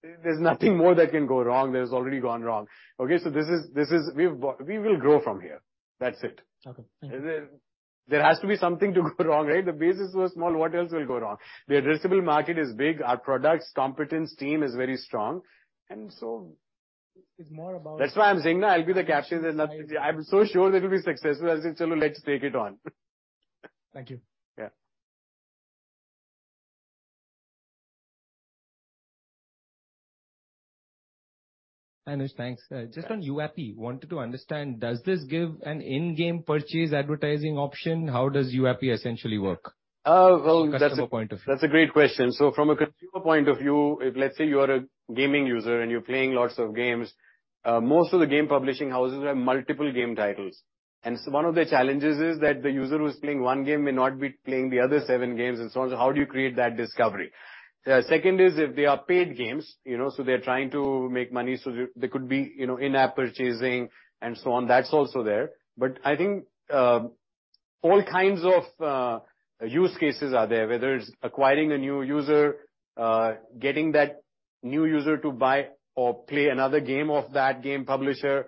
there's nothing more that can go wrong, there's already gone wrong. Okay, this is We will grow from here. That's it. Okay. Thank you. There has to be something to go wrong, right? The base is so small, what else will go wrong? The addressable market is big. Our products, competence, team is very strong. It's more about. That's why I'm saying, I'll be the captain. There's nothing... I'm so sure that it'll be successful. I'll say, "Let's take it on. Thank you. Yeah. Hi, Anuj, thanks. Just on YouAppi, wanted to understand, does this give an in-game purchase advertising option? How does YouAppi essentially work? Well, that's- from a customer point of view? That's a great question. From a consumer point of view, if, let's say, you are a gaming user and you're playing lots of games, most of the game publishing houses have multiple game titles. One of the challenges is that the user who's playing one game may not be playing the other seven games and so on. How do you create that discovery? Second is, if they are paid games, you know, they're trying to make money, so there could be, you know, in-app purchasing and so on. That's also there. I think, all kinds of use cases are there, whether it's acquiring a new user, getting that new user to buy or play another game of that game publisher,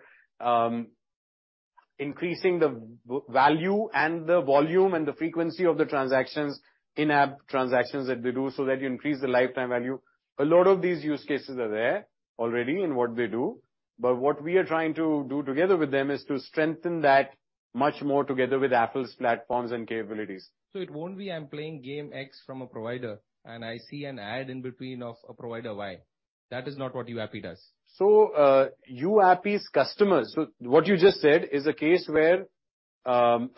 increasing the value and the volume and the frequency of the transactions, in-app transactions that they do, so that you increase the lifetime value. A lot of these use cases are there already in what they do, but what we are trying to do together with them is to strengthen that much more together with Affle's platforms and capabilities. It won't be I'm playing game X from a provider, and I see an ad in between of a provider Y. That is not what YouAppi does? YouAppi's customers... What you just said is a case where... Publisher.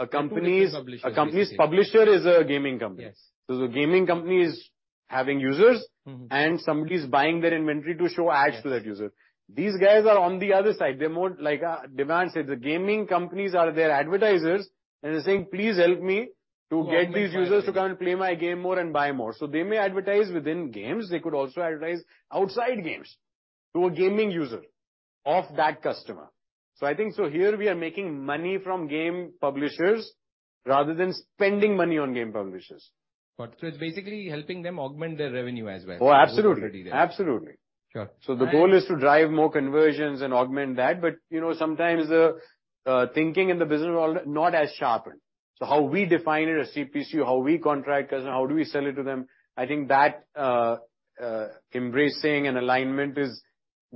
A company's publisher is a gaming company. Yes. The gaming company is having users. somebody's buying their inventory to show ads. Yes. -to that user. These guys are on the other side. They're more like a demand side. The gaming companies are their advertisers, and they're saying, "Please help me to get these users to come and play my game more and buy more." They may advertise within games. They could also advertise outside games to a gaming user of that customer. I think, so here we are making money from game publishers rather than spending money on game publishers. Got it. It's basically helping them augment their revenue as well? Oh, absolutely. Pretty there. Absolutely. Sure. The goal is to drive more conversions and augment that, but, you know, sometimes the thinking in the business world not as sharpened. How we define it, a CPC, how we contract, how do we sell it to them, I think that embracing and alignment is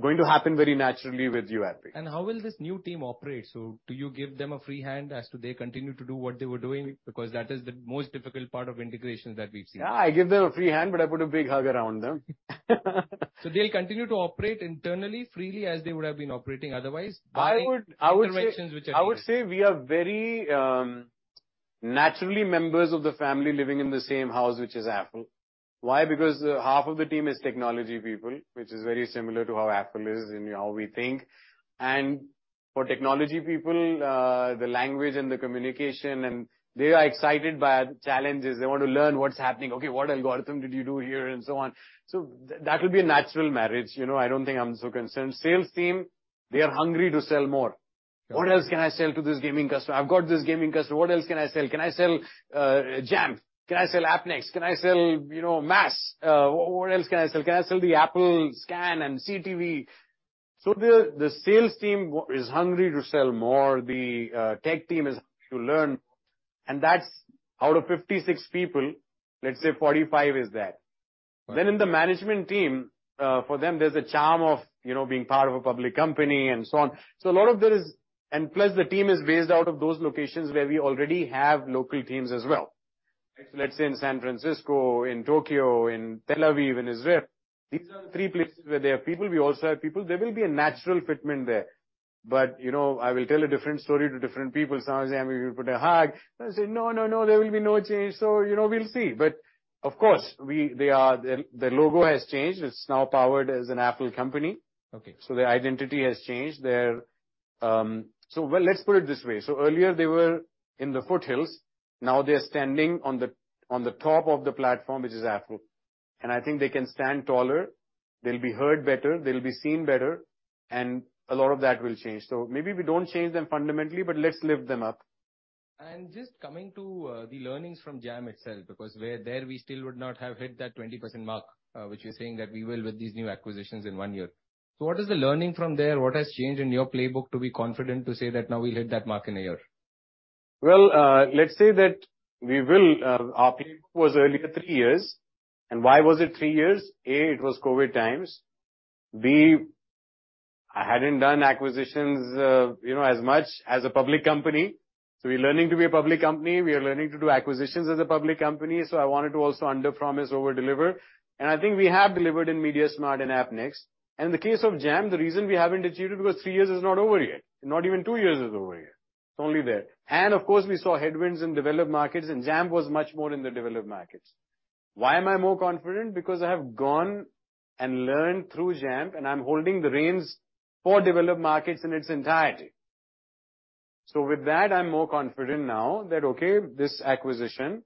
going to happen very naturally with YouAppi. How will this new team operate? Do you give them a free hand as to they continue to do what they were doing? That is the most difficult part of integration that we've seen. Yeah, I give them a free hand, but I put a big hug around them. They'll continue to operate internally, freely, as they would have been operating otherwise. I would. Interactions which are- I would say we are very naturally members of the family living in the same house, which is Affle. Why? Because half of the team is technology people, which is very similar to how Affle is and how we think. For technology people, the language and the communication, and they are excited by the challenges. They want to learn what's happening: "Okay, what algorithm did you do here?" and so on. That would be a natural marriage, you know. I don't think I'm so concerned. Sales team, they are hungry to sell more. What else can I sell to this gaming customer? I've got this gaming customer, what else can I sell? Can I sell Jampp? Can I sell Appnext? Can I sell, you know, MAAS? What else can I sell? Can I sell the Apple SKAN and CTV? The sales team is hungry to sell more, the, tech team is hungry to learn, and that's out of 56 people, let's say 45 is that. Right. In the management team, for them, there's a charm of, you know, being part of a public company and so on. A lot of there is. Plus, the team is based out of those locations where we already have local teams as well. Right. Let's say in San Francisco, in Tokyo, in Tel Aviv, in Israel, these are the three places where there are people, we also have people. There will be a natural fitment there. You know, I will tell a different story to different people. Some will say, "I'm gonna put a hug." I'll say, "No, no, there will be no change." You know, we'll see. Of course, they are, the logo has changed. It's now powered as an Affle company. Okay. Their identity has changed. Their... Well, let's put it this way: so earlier they were in the foothills, now they're standing on the, on the top of the platform, which is Affle. I think they can stand taller, they'll be heard better, they'll be seen better, and a lot of that will change. Maybe we don't change them fundamentally, but let's lift them up. Just coming to, the learnings from Jampp itself, because where there we still would not have hit that 20% mark, which you're saying that we will with these new acquisitions in one year. What is the learning from there? What has changed in your playbook to be confident to say that now we'll hit that mark in a year? Well, let's say that we will, our playbook was earlier three years. Why was it three years? A, it was COVID times. B, I hadn't done acquisitions, you know, as much as a public company. We're learning to be a public company, we are learning to do acquisitions as a public company, so I wanted to also underpromise, overdeliver. I think we have delivered in Mediasmart and Appnext. In the case of Jampp, the reason we haven't achieved it, because three years is not over yet, not even two years is over yet. It's only there. Of course, we saw headwinds in developed markets, and Jampp was much more in the developed markets. Why am I more confident? I have gone and learned through Jampp, and I'm holding the reins for developed markets in its entirety. With that, I'm more confident now that, okay, this acquisition,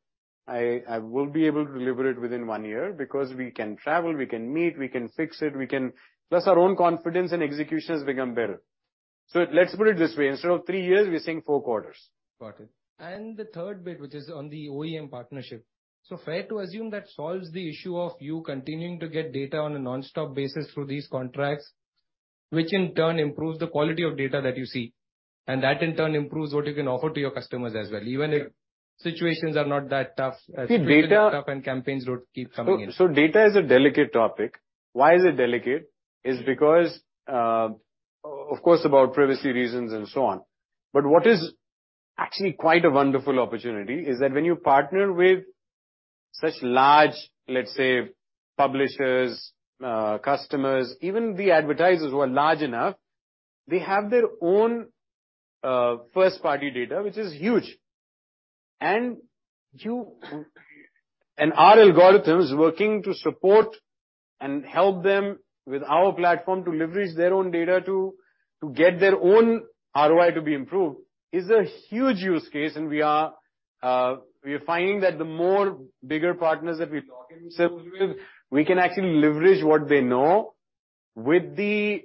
I will be able to deliver it within one year, because we can travel, we can meet, we can fix it. Plus, our own confidence and execution has become better. Let's put it this way, instead of three years, we're saying four quarters. Got it. The third bit, which is on the OEM partnership. Fair to assume that solves the issue of you continuing to get data on a nonstop basis through these contracts, which in turn improves the quality of data that you see, and that in turn improves what you can offer to your customers as well, even if- Yeah Situations are not that tough. See, data- Data is tough and campaigns don't keep coming in. data is a delicate topic. Why is it delicate? Is because, of course, about privacy reasons and so on. What is actually quite a wonderful opportunity is that when you partner with such large, let's say, publishers, customers, even the advertisers who are large enough, they have their own first-party data, which is huge. Our algorithms working to support and help them with our platform to leverage their own data to get their own ROI to be improved, is a huge use case, and we are finding that the more bigger partners that we partner ourselves with, we can actually leverage what they know with the...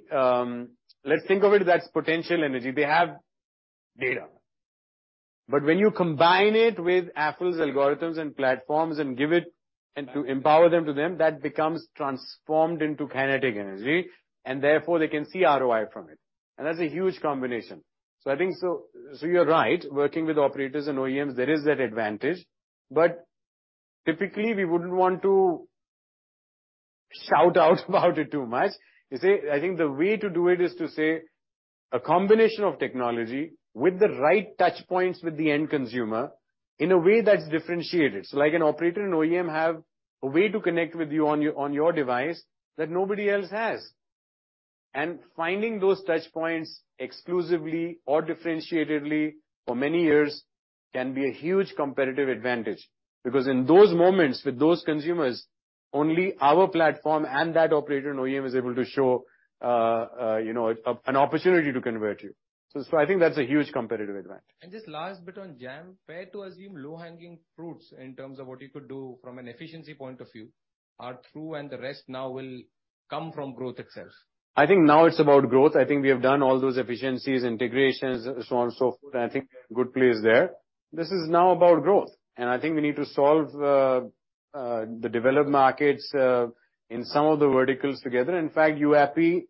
Let's think of it, that's potential energy. They have data. When you combine it with Affle's algorithms and platforms and give it, and to empower them to them, that becomes transformed into kinetic energy, and therefore they can see ROI from it. That's a huge combination. I think so, you're right, working with operators and OEMs, there is that advantage, but typically, we wouldn't want to shout out about it too much. You see, I think the way to do it is to say a combination of technology with the right touch points with the end consumer in a way that's differentiated. Like an operator and OEM have a way to connect with you on your device that nobody else has. Finding those touch points exclusively or differentiatedly for many years can be a huge competitive advantage. In those moments, with those consumers, only our platform and that operator and OEM is able to show, you know, an opportunity to convert you. I think that's a huge competitive advantage. Just last bit on Jampp, fair to assume low-hanging fruits in terms of what you could do from an efficiency point of view are through and the rest now will come from growth itself? I think now it's about growth. I think we have done all those efficiencies, integrations, so on and so forth. I think we're in a good place there. This is now about growth. I think we need to solve the developed markets in some of the verticals together. In fact, YouAppi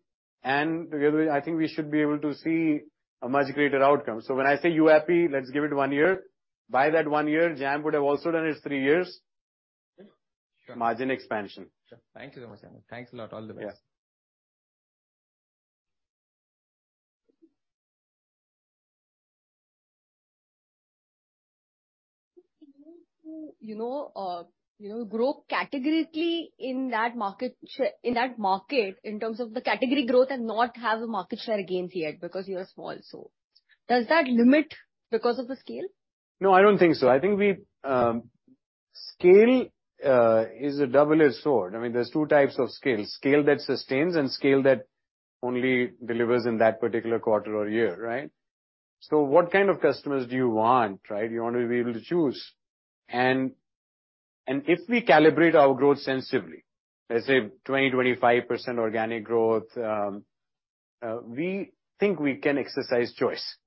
and together, I think we should be able to see a much greater outcome. When I say YouAppi, let's give it one year. By that one year, Jampp would have also done its three years. Sure. Margin expansion. Sure. Thank you so much. Thanks a lot. All the best. Yeah. You know, you grow categorically in that market in terms of the category growth and not have the market share gains yet because you are small, does that limit because of the scale? No, I don't think so. I think we. Scale is a double-edged sword. I mean, there's two types of scale: scale that sustains and scale that only delivers in that particular quarter or year, right? What kind of customers do you want, right? You want to be able to choose. If we calibrate our growth sensibly, let's say 20%-25% organic growth, we think we can exercise choice.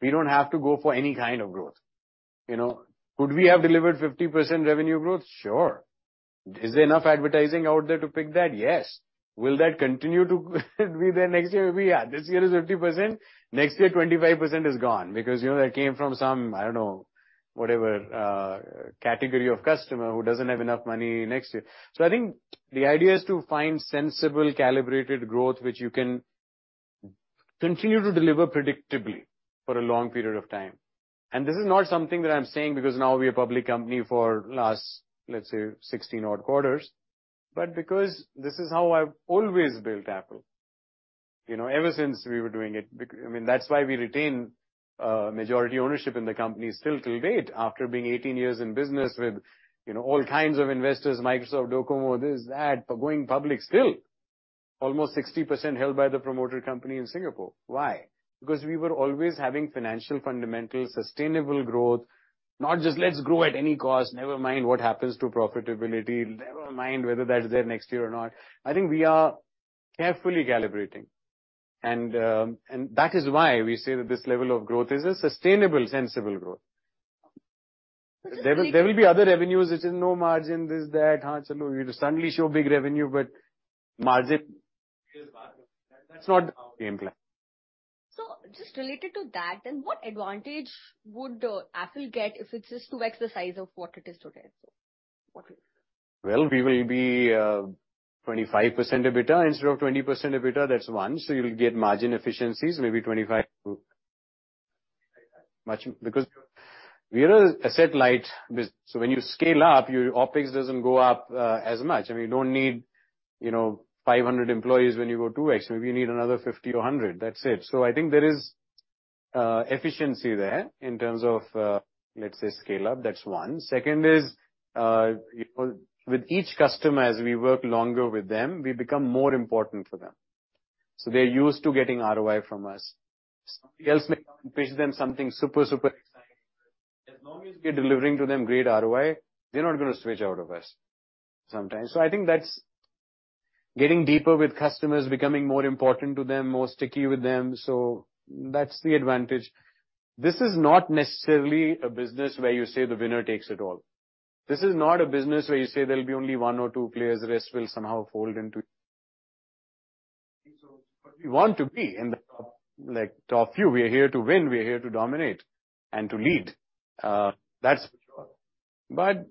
We don't have to go for any kind of growth, you know? Could we have delivered 50% revenue growth? Sure. Is there enough advertising out there to pick that? Yes. Will that continue to be there next year? Maybe, yeah. This year is 50%, next year, 25% is gone, because, you know, that came from some, I don't know, whatever, category of customer who doesn't have enough money next year. I think the idea is to find sensible, calibrated growth, which you can continue to deliver predictably for a long period of time. This is not something that I'm saying because now we're a public company for last, let's say, 16 odd quarters, but because this is how I've always built Affle, you know, ever since we were doing it. I mean, that's why we retain majority ownership in the company still to date, after being 18 years in business with, you know, all kinds of investors, Microsoft, DOCOMO, this, that, but going public, still almost 60% held by the promoter company in Singapore. Why? We were always having financial, fundamental, sustainable growth, not just, "Let's grow at any cost, never mind what happens to profitability, never mind whether that's there next year or not." I think we are carefully calibrating, and that is why we say that this level of growth is a sustainable, sensible growth. There will be other revenues, which is no margin, this, that, huh, so you just suddenly show big revenue, but margin is bad. That's not the game plan. Just related to that, then what advantage would Affle get if it's just 2x the size of what it is today, so what do you think? We will be 25% EBITDA instead of 20% EBITDA, that's one, so you'll get margin efficiencies, maybe 25% to much... We are a asset-light so when you scale up, your OpEx doesn't go up as much. I mean, you don't need, you know, 500 employees when you go 2x. Maybe you need another 50 or 100. That's it. I think there is efficiency there in terms of, let's say, scale up. That's one. Second is, you know, with each customer, as we work longer with them, we become more important for them, so they're used to getting ROI from us. Somebody else may pitch them something super exciting, but as long as we're delivering to them great ROI, they're not gonna switch out of us sometimes. I think that's getting deeper with customers, becoming more important to them, more sticky with them, so that's the advantage. This is not necessarily a business where you say the winner takes it all. This is not a business where you say there'll be only one or two players, the rest will somehow fold into it. We want to be in the top, like, top few. We are here to win, we are here to dominate and to lead. That's for sure.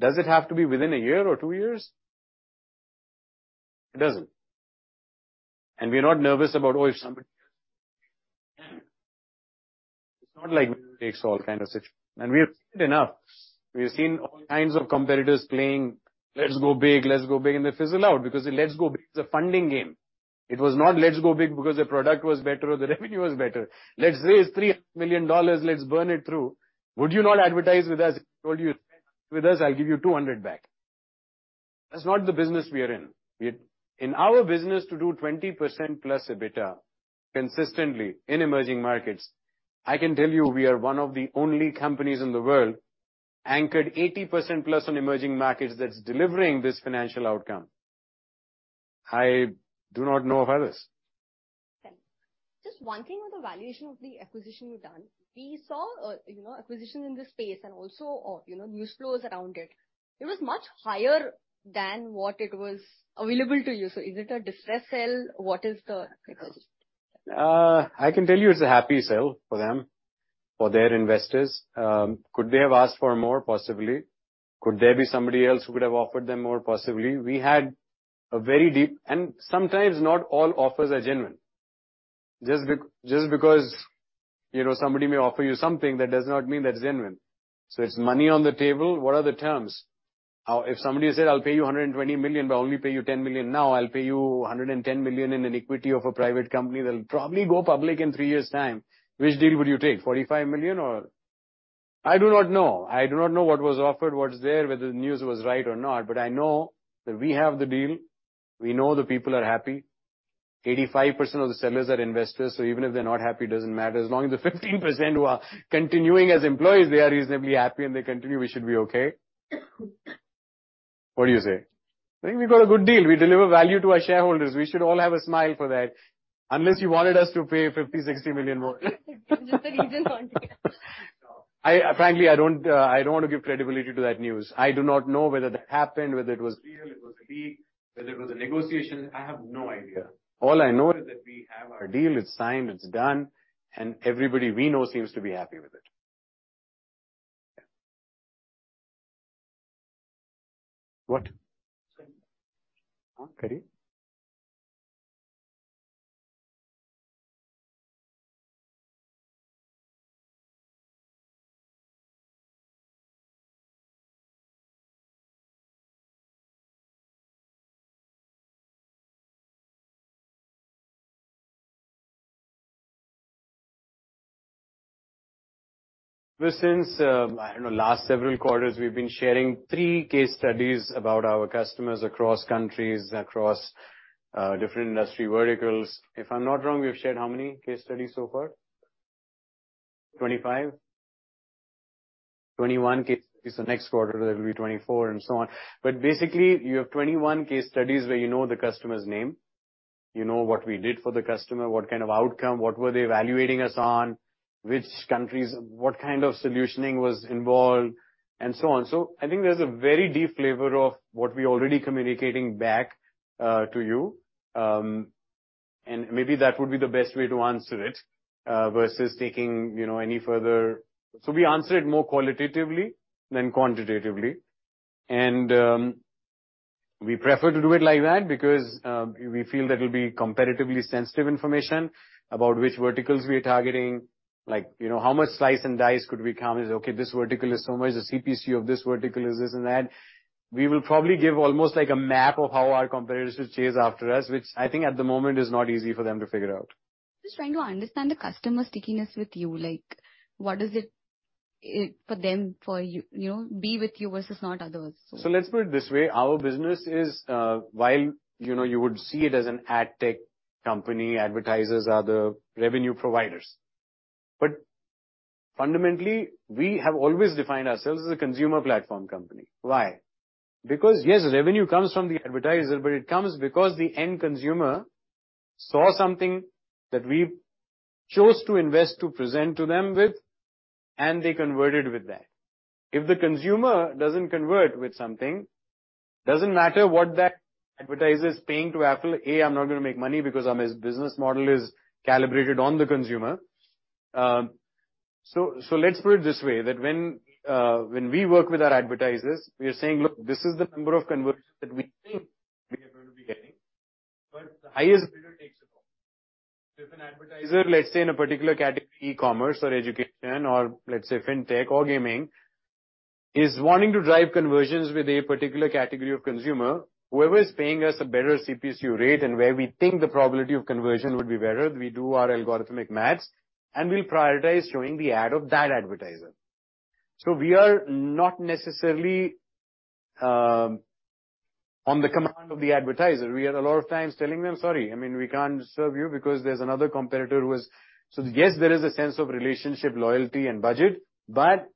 Does it have to be within a year or two years? It doesn't. We're not nervous about, It's not like winner takes all kind of situation. We have seen enough. We have seen all kinds of competitors playing, let's go big, let's go big, and they fizzle out, because the let's go big is a funding game. It was not let's go big because the product was better or the revenue was better. Let's raise $300 million, let's burn it through. Would you not advertise with us? I told you, with us, I'll give you $200 back. That's not the business we are in. In our business, to do 20%+ EBITDA consistently in emerging markets, I can tell you, we are one of the only companies in the world anchored 80%+ on emerging markets that's delivering this financial outcome. I do not know of others. Okay. Just one thing on the valuation of the acquisition you've done. We saw, you know, acquisition in this space and also, you know, news flows around it. It was much higher than what it was available to you. Is it a distress sell? What is the reason? I can tell you it's a happy sell for them, for their investors. Could they have asked for more? Possibly. Could there be somebody else who could have offered them more? Possibly. Sometimes not all offers are genuine. Just because, you know, somebody may offer you something, that does not mean that's genuine. It's money on the table. What are the terms? If somebody said, "I'll pay you $120 million, but I'll only pay you $10 million now, I'll pay you $110 million in an equity of a private company that'll probably go public in three years' time," which deal would you take, $45 million or...? I do not know. I do not know what was offered, what's there, whether the news was right or not. I know that we have the deal. We know the people are happy. 85% of the sellers are investors. Even if they're not happy, it doesn't matter. As long as the 15% who are continuing as employees, they are reasonably happy and they continue, we should be okay. What do you say? I think we've got a good deal. We deliver value to our shareholders. We should all have a smile for that, unless you wanted us to pay 50 million, 60 million more. Just the region quantity. I, frankly, I don't, I don't want to give credibility to that news. I do not know whether that happened, whether it was real, it was a leak, whether it was a negotiation. I have no idea. All I know is that we have our deal, it's signed, it's done, and everybody we know seems to be happy with it. What? Sorry. Well, since, I don't know, last several quarters, we've been sharing three case studies about our customers across countries, across different industry verticals. If I'm not wrong, we've shared how many case studies so far? 25, 21 case is the next quarter, that will be 24, and so on. Basically, you have 21 case studies where you know the customer's name, you know what we did for the customer, what kind of outcome, what were they evaluating us on, which countries, what kind of solutioning was involved, and so on. I think there's a very deep flavor of what we're already communicating back to you. Maybe that would be the best way to answer it versus taking, you know, any further... We answer it more qualitatively than quantitatively, and we prefer to do it like that because we feel that it'll be competitively sensitive information about which verticals we are targeting. Like, you know, how much slice and dice could we count as, okay, this vertical is so much, the CPC of this vertical is this and that. We will probably give almost like a map of how our competitors will chase after us, which I think at the moment is not easy for them to figure out. Just trying to understand the customer stickiness with you. Like, what is it, for them, for you know, be with you versus not others? Let's put it this way. Our business is, while, you know, you would see it as an ad tech company, advertisers are the revenue providers. Fundamentally, we have always defined ourselves as a consumer platform company. Why? Because, yes, revenue comes from the advertiser, but it comes because the end consumer saw something that we chose to invest to present to them with, and they converted with that. If the consumer doesn't convert with something, doesn't matter what that advertiser is paying to Affle. I'm not gonna make money because his business model is calibrated on the consumer. Let's put it this way, that when we work with our advertisers, we are saying, "Look, this is the number of conversions that we think we are going to be getting." The highest bidder takes it all. If an advertiser, let's say in a particular category, e-commerce or education, or let's say fintech or gaming, is wanting to drive conversions with a particular category of consumer, whoever is paying us a better CPC rate and where we think the probability of conversion would be better, we do our algorithmic maths, and we'll prioritize showing the ad of that advertiser. We are not necessarily on the command of the advertiser. We are a lot of times telling them, "Sorry, I mean, we can't serve you because there's another competitor who is..." Yes, there is a sense of relationship, loyalty, and budget, but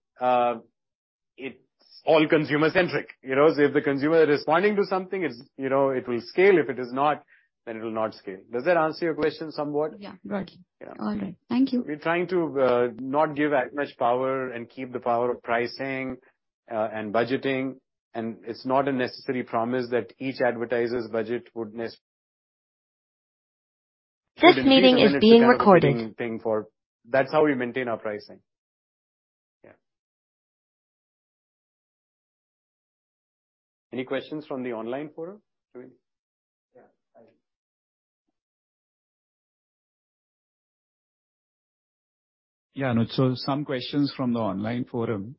it's all consumer-centric. You know, if the consumer is responding to something, it's, you know, it will scale. If it is not, then it will not scale. Does that answer your question somewhat? Yeah. Got it. Yeah. All right. Thank you. We're trying to not give out much power and keep the power of pricing and budgeting, and it's not a necessary promise that each advertiser's budget would. This meeting is being recorded. That's how we maintain our pricing. Any questions from the online forum? Yeah, thank you. Some questions from the online forum.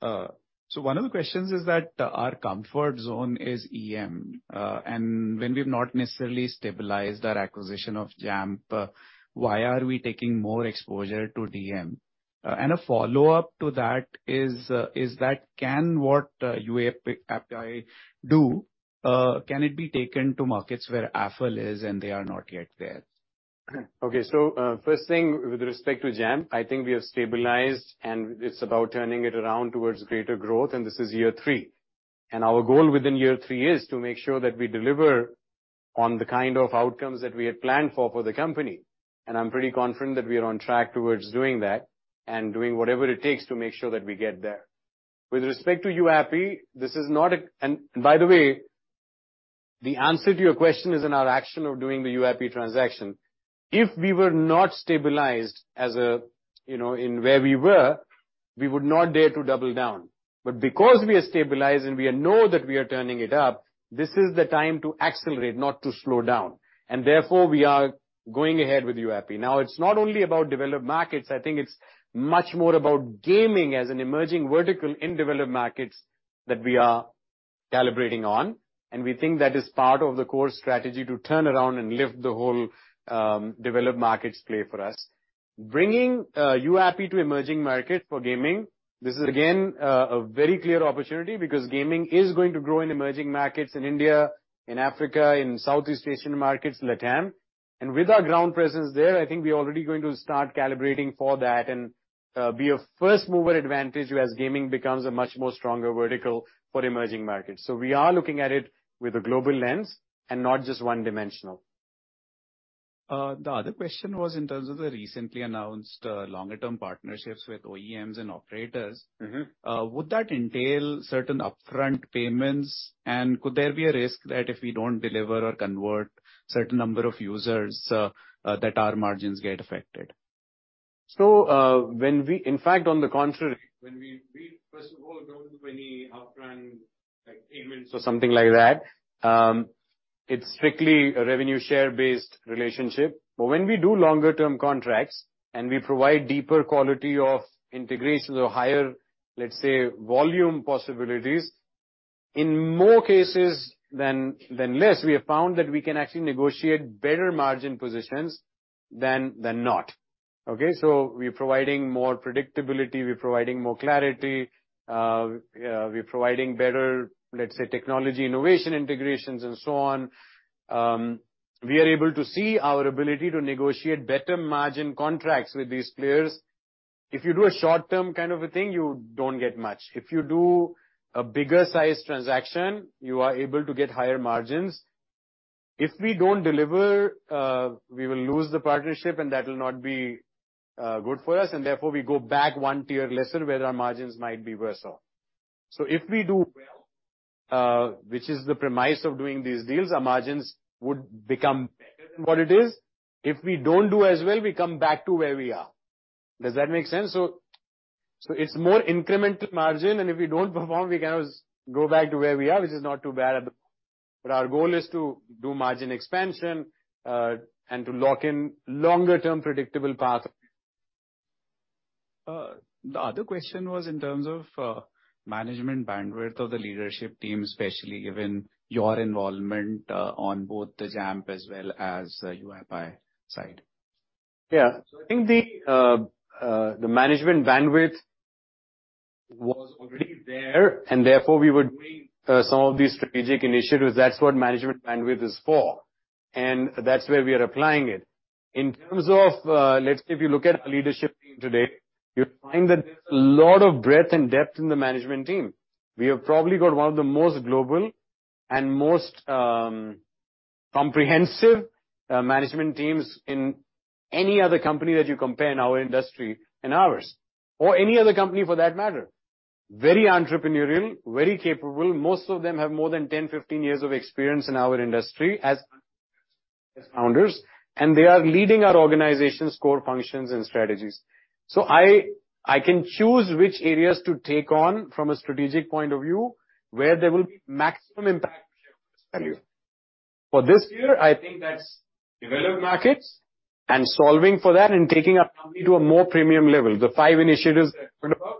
One of the questions is that our comfort zone is EM, and when we've not necessarily stabilized our acquisition of Jampp, why are we taking more exposure to DM? A follow-up to that is, what YouAppi API do, can it be taken to markets where Affle is and they are not yet there? Okay. First thing, with respect to Jampp, I think we have stabilized, and it's about turning it around towards greater growth, and this is year three. Our goal within year three is to make sure that we deliver on the kind of outcomes that we had planned for the company. I'm pretty confident that we are on track towards doing that and doing whatever it takes to make sure that we get there. With respect to YouAppi, this is not a... By the way, the answer to your question is in our action of doing the YouAppi transaction. If we were not stabilized as a, you know, in where we were, we would not dare to double down. Because we are stabilized and we know that we are turning it up, this is the time to accelerate, not to slow down, and therefore we are going ahead with YouAppi. Now, it's not only about developed markets, I think it's much more about gaming as an emerging vertical in developed markets that we are calibrating on, and we think that is part of the core strategy to turn around and lift the whole developed markets play for us. Bringing YouAppi to emerging markets for gaming, this is again a very clear opportunity because gaming is going to grow in emerging markets in India, in Africa, in Southeast Asian markets, LATAM. With our ground presence there, I think we are already going to start calibrating for that and be a first-mover advantage as gaming becomes a much more stronger vertical for emerging markets. We are looking at it with a global lens and not just one-dimensional. The other question was in terms of the recently announced, longer-term partnerships with OEMs and operators. Would that entail certain upfront payments? Could there be a risk that if we don't deliver or convert certain number of users, that our margins get affected? In fact, on the contrary, when we first of all, don't do any upfront, like, payments or something like that, it's strictly a revenue share-based relationship. When we do longer term contracts and we provide deeper quality of integrations or higher, let's say, volume possibilities, in more cases than less, we have found that we can actually negotiate better margin positions than not. Okay? We're providing more predictability, we're providing more clarity, we're providing better, let's say, technology, innovation, integrations, and so on. We are able to see our ability to negotiate better margin contracts with these players. If you do a short-term kind of a thing, you don't get much. If you do a bigger size transaction, you are able to get higher margins. If we don't deliver, we will lose the partnership. That will not be good for us, and therefore, we go back one tier lesser, where our margins might be worse off. If we do well, which is the premise of doing these deals, our margins would become better than what it is. If we don't do as well, we come back to where we are. Does that make sense? It's more incremental margin. If we don't perform, we can always go back to where we are, which is not too bad. Our goal is to do margin expansion, and to lock in longer-term predictable path. The other question was in terms of management bandwidth of the leadership team, especially given your involvement on both the Jampp as well as the YouAppi side. I think the management bandwidth was already there, and therefore, we were doing some of these strategic initiatives. That's what management bandwidth is for, and that's where we are applying it. In terms of, let's say if you look at our leadership team today, you'll find that there's a lot of breadth and depth in the management team. We have probably got one of the most global and most comprehensive management teams in any other company that you compare in our industry and ours, or any other company for that matter. Very entrepreneurial, very capable. Most of them have more than 10, 15 years of experience in our industry as founders, and they are leading our organization's core functions and strategies. I can choose which areas to take on from a strategic point of view, where there will be maximum impact to shareholders' value. For this year, I think that's developed markets and solving for that and taking our company to a more premium level. The five initiatives I talked about,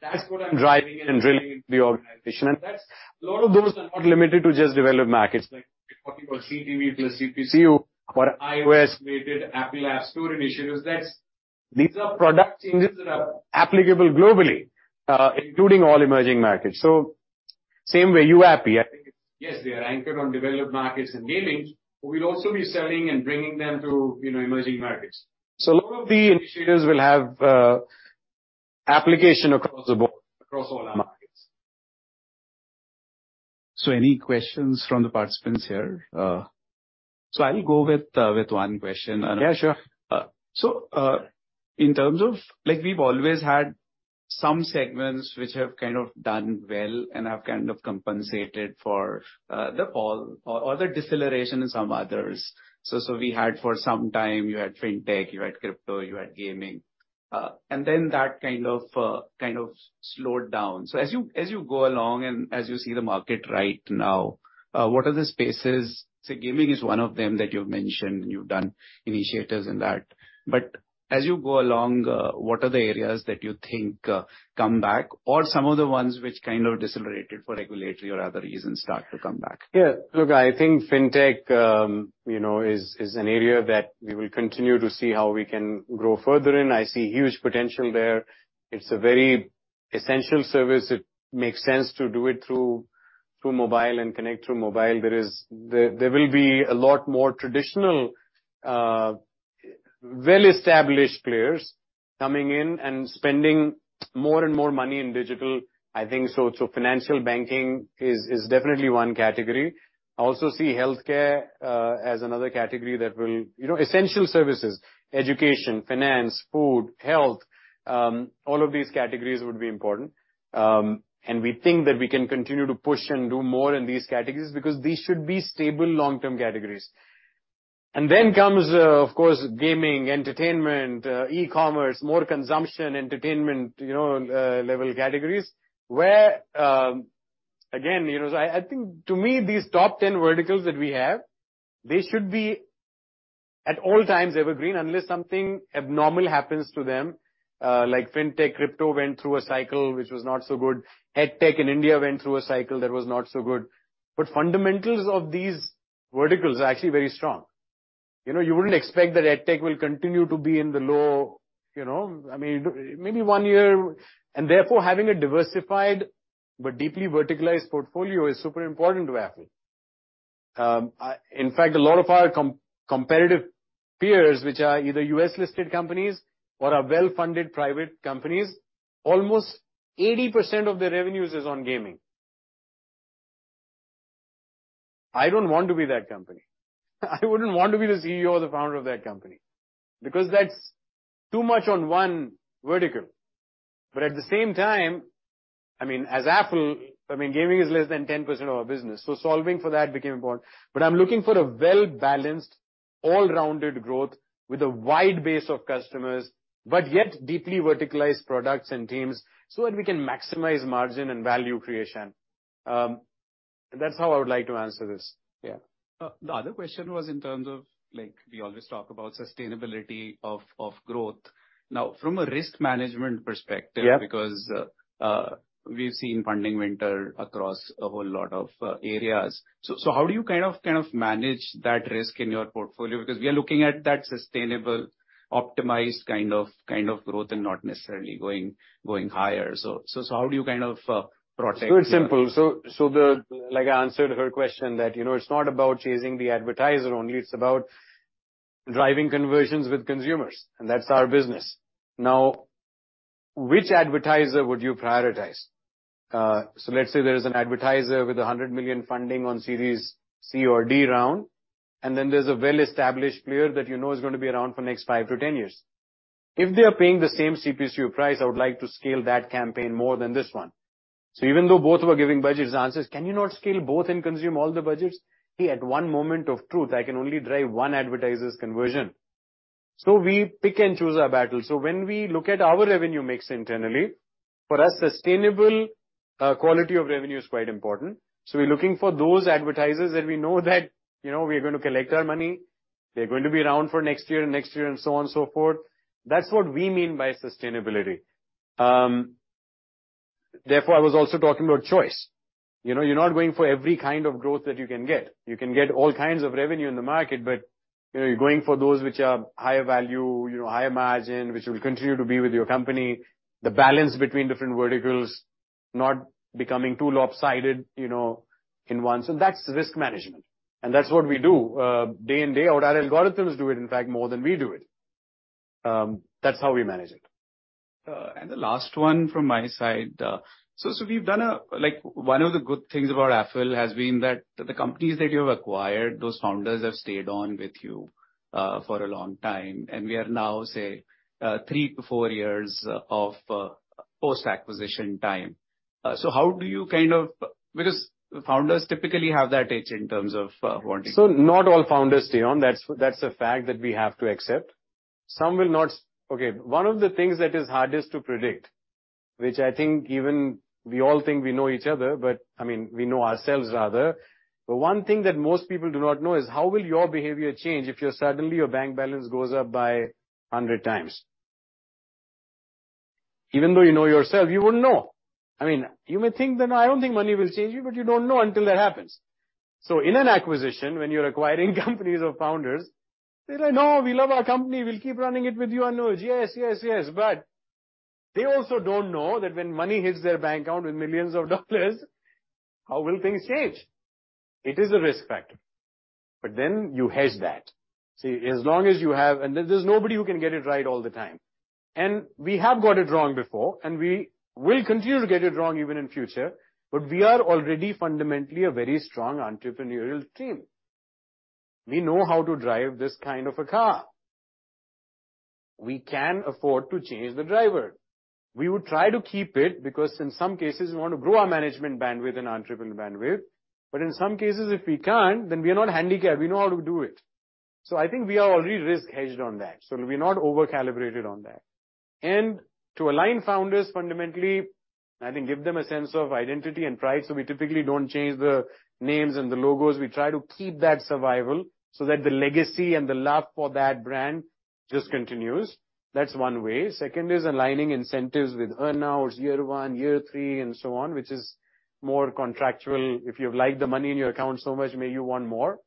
that's what I'm driving and drilling into the organization. A lot of those are not limited to just developed markets, like what you call CTV plus CPC or iOS-related Apple App Store initiatives. These are product changes that are applicable globally, including all emerging markets. Same way, YouAppi, I think it's, yes, they are anchored on developed markets and gaming, but we'll also be selling and bringing them to, you know, emerging markets. A lot of the initiatives will have application across the board, across all our markets. Any questions from the participants here? I'll go with one question. Yeah, sure. In terms of, like, we've always had some segments which have kind of done well and have kind of compensated for the fall or the deceleration in some others. We had for some time, you had fintech, you had crypto, you had gaming, and then that kind of slowed down. As you go along and as you see the market right now, what are the spaces... Gaming is one of them that you've mentioned, and you've done initiatives in that. As you go along, what are the areas that you think come back or some of the ones which kind of decelerated for regulatory or other reasons start to come back? Yeah. Look, I think fintech, you know, is an area that we will continue to see how we can grow further in. I see huge potential there. It's a very essential service. It makes sense to do it through mobile and connect through mobile. There will be a lot more traditional, well-established players coming in and spending more and more money in digital, I think. Financial banking is definitely one category. I also see healthcare as another category that will. You know, essential services, education, finance, food, health, all of these categories would be important. We think that we can continue to push and do more in these categories because these should be stable long-term categories. Then comes, of course, gaming, entertainment, e-commerce, more consumption, entertainment, you know, level categories, where, again, you know, I think to me, these top 10 verticals that we have, they should be at all times evergreen, unless something abnormal happens to them. Like fintech, crypto went through a cycle which was not so good. EdTech in India went through a cycle that was not so good. Fundamentals of these verticals are actually very strong. You know, you wouldn't expect that EdTech will continue to be in the low, you know? I mean, maybe one year... Therefore, having a diversified but deeply verticalized portfolio is super important to Affle. In fact, a lot of our competitive peers, which are either U.S.-listed companies or are well-funded private companies, almost 80% of their revenues is on gaming. I don't want to be that company. I wouldn't want to be the CEO or the founder of that company, because that's too much on one vertical. At the same time, I mean, as Affle, I mean, gaming is less than 10% of our business, so solving for that became important. I'm looking for a well-balanced, all-rounded growth with a wide base of customers, but yet deeply verticalized products and teams, so that we can maximize margin and value creation. That's how I would like to answer this. Yeah. The other question was in terms of, like, we always talk about sustainability of growth. From a risk management perspective. -because, we've seen funding winter across a whole lot of areas. How do you kind of manage that risk in your portfolio? We are looking at that sustainable, optimized kind of growth and not necessarily going higher. How do you kind of protect? It's simple. I answered her question, that, you know, it's not about chasing the advertiser only, it's about driving conversions with consumers, and that's our business. Which advertiser would you prioritize? Let's say there is an advertiser with $100 million funding on Series C or D round, and then there's a well-established player that you know is gonna be around for the next five to 10 years. If they are paying the same CPCU price, I would like to scale that campaign more than this one. Even though both were giving budgets answers, can you not scale both and consume all the budgets? Hey, at one moment of truth, I can only drive one advertiser's conversion. We pick and choose our battles. When we look at our revenue mix internally, for us, sustainable quality of revenue is quite important. We're looking for those advertisers, and we know that, you know, we're going to collect our money, they're going to be around for next year and next year, and so on and so forth. That's what we mean by sustainability. Therefore, I was also talking about choice. You know, you're not going for every kind of growth that you can get. You can get all kinds of revenue in the market, but, you know, you're going for those which are higher value, you know, higher margin, which will continue to be with your company, the balance between different verticals, not becoming too lopsided, you know, in one. That's risk management, and that's what we do, day in, day out. Our algorithms do it, in fact, more than we do it. That's how we manage it. The last one from my side, so, Like, one of the good things about Affle has been that the companies that you have acquired, those founders have stayed on with you, for a long time, and we are now, say, three to four years of, post-acquisition time. How do you kind of... Because the founders typically have that edge in terms of, wanting- Not all founders stay on. That's a fact that we have to accept. Some will not. Okay, one of the things that is hardest to predict, which I think even we all think we know each other, but I mean, we know ourselves rather. One thing that most people do not know is, how will your behavior change if you're suddenly your bank balance goes up by 100 times? Even though you know yourself, you wouldn't know. I mean, you may think that, "I don't think money will change you," but you don't know until that happens. In an acquisition, when you're acquiring companies or founders, they're like, "No, we love our company. We'll keep running it with you, Anuj. Yes, yes." They also don't know that when money hits their bank account with millions of dollars, how will things change? It is a risk factor, but then you hedge that. See, as long as you have... There's nobody who can get it right all the time. We have got it wrong before, and we will continue to get it wrong even in future, but we are already fundamentally a very strong entrepreneurial team. We know how to drive this kind of a car. We can afford to change the driver. We would try to keep it, because in some cases, we want to grow our management bandwidth and entrepreneurial bandwidth, but in some cases, if we can't, then we are not handicapped. We know how to do it. I think we are already risk-hedged on that, so we're not over-calibrated on that. To align founders, fundamentally, I think, give them a sense of identity and pride. We typically don't change the names and the logos. We try to keep that survival so that the legacy and the love for that brand just continues. That's one way. Second is aligning incentives with earnouts, year one, year three, and so on, which is more contractual. If you've liked the money in your account so much, may you want more,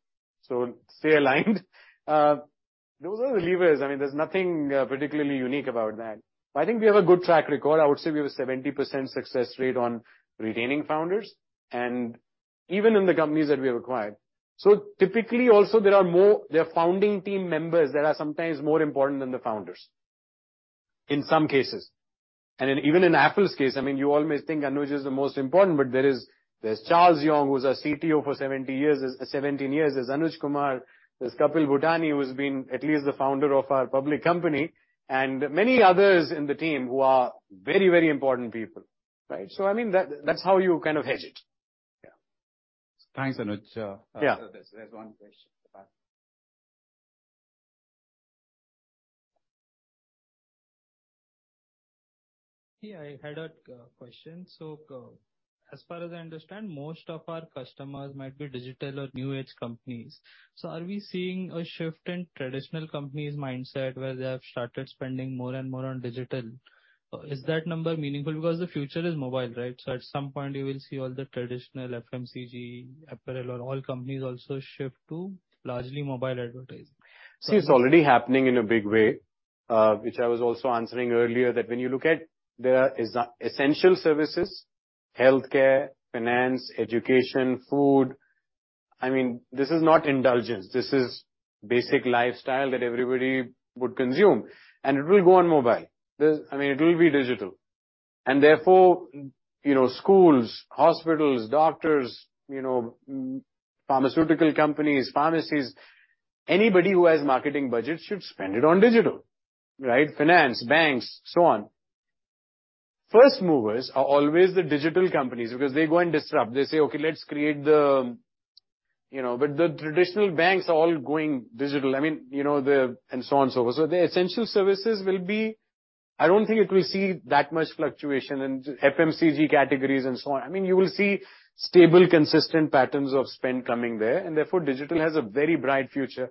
so stay aligned. Those are the levers. I mean, there's nothing particularly unique about that. I think we have a good track record. I would say we have a 70% success rate on retaining founders and even in the companies that we have acquired. Typically, also, there are founding team members that are sometimes more important than the founders, in some cases. Even in Affle's case, I mean, you always think Anuj is the most important, but there's Charles Yong, who's our CTO for 17 years. There's Anuj Kumar, there's Kapil Bhutani, who's been at least the founder of our public company, and many others in the team who are very, very important people, right? I mean, that's how you kind of hedge it. Yeah. Thanks, Anuj. Yeah. There's one question at the back. Yeah, I had a question. As far as I understand, most of our customers might be digital or new age companies. Are we seeing a shift in traditional companies' mindset, where they have started spending more and more on digital? Is that number meaningful? Because the future is mobile, right? At some point you will see all the traditional FMCG, apparel, or all companies also shift to largely mobile advertising. See, it's already happening in a big way, which I was also answering earlier, that when you look at the essential services, healthcare, finance, education, food, I mean, this is not indulgence. This is basic lifestyle that everybody would consume, and it will go on mobile. This, I mean, it will be digital. Therefore, you know, schools, hospitals, doctors, you know, pharmaceutical companies, pharmacies, anybody who has marketing budget should spend it on digital, right? Finance, banks, so on. First movers are always the digital companies because they go and disrupt. They say, "Okay, let's create the." You know? The traditional banks are all going digital. I mean, you know, and so on and so forth. The essential services will be I don't think it will see that much fluctuation in FMCG categories and so on. I mean, you will see stable, consistent patterns of spend coming there. Therefore, digital has a very bright future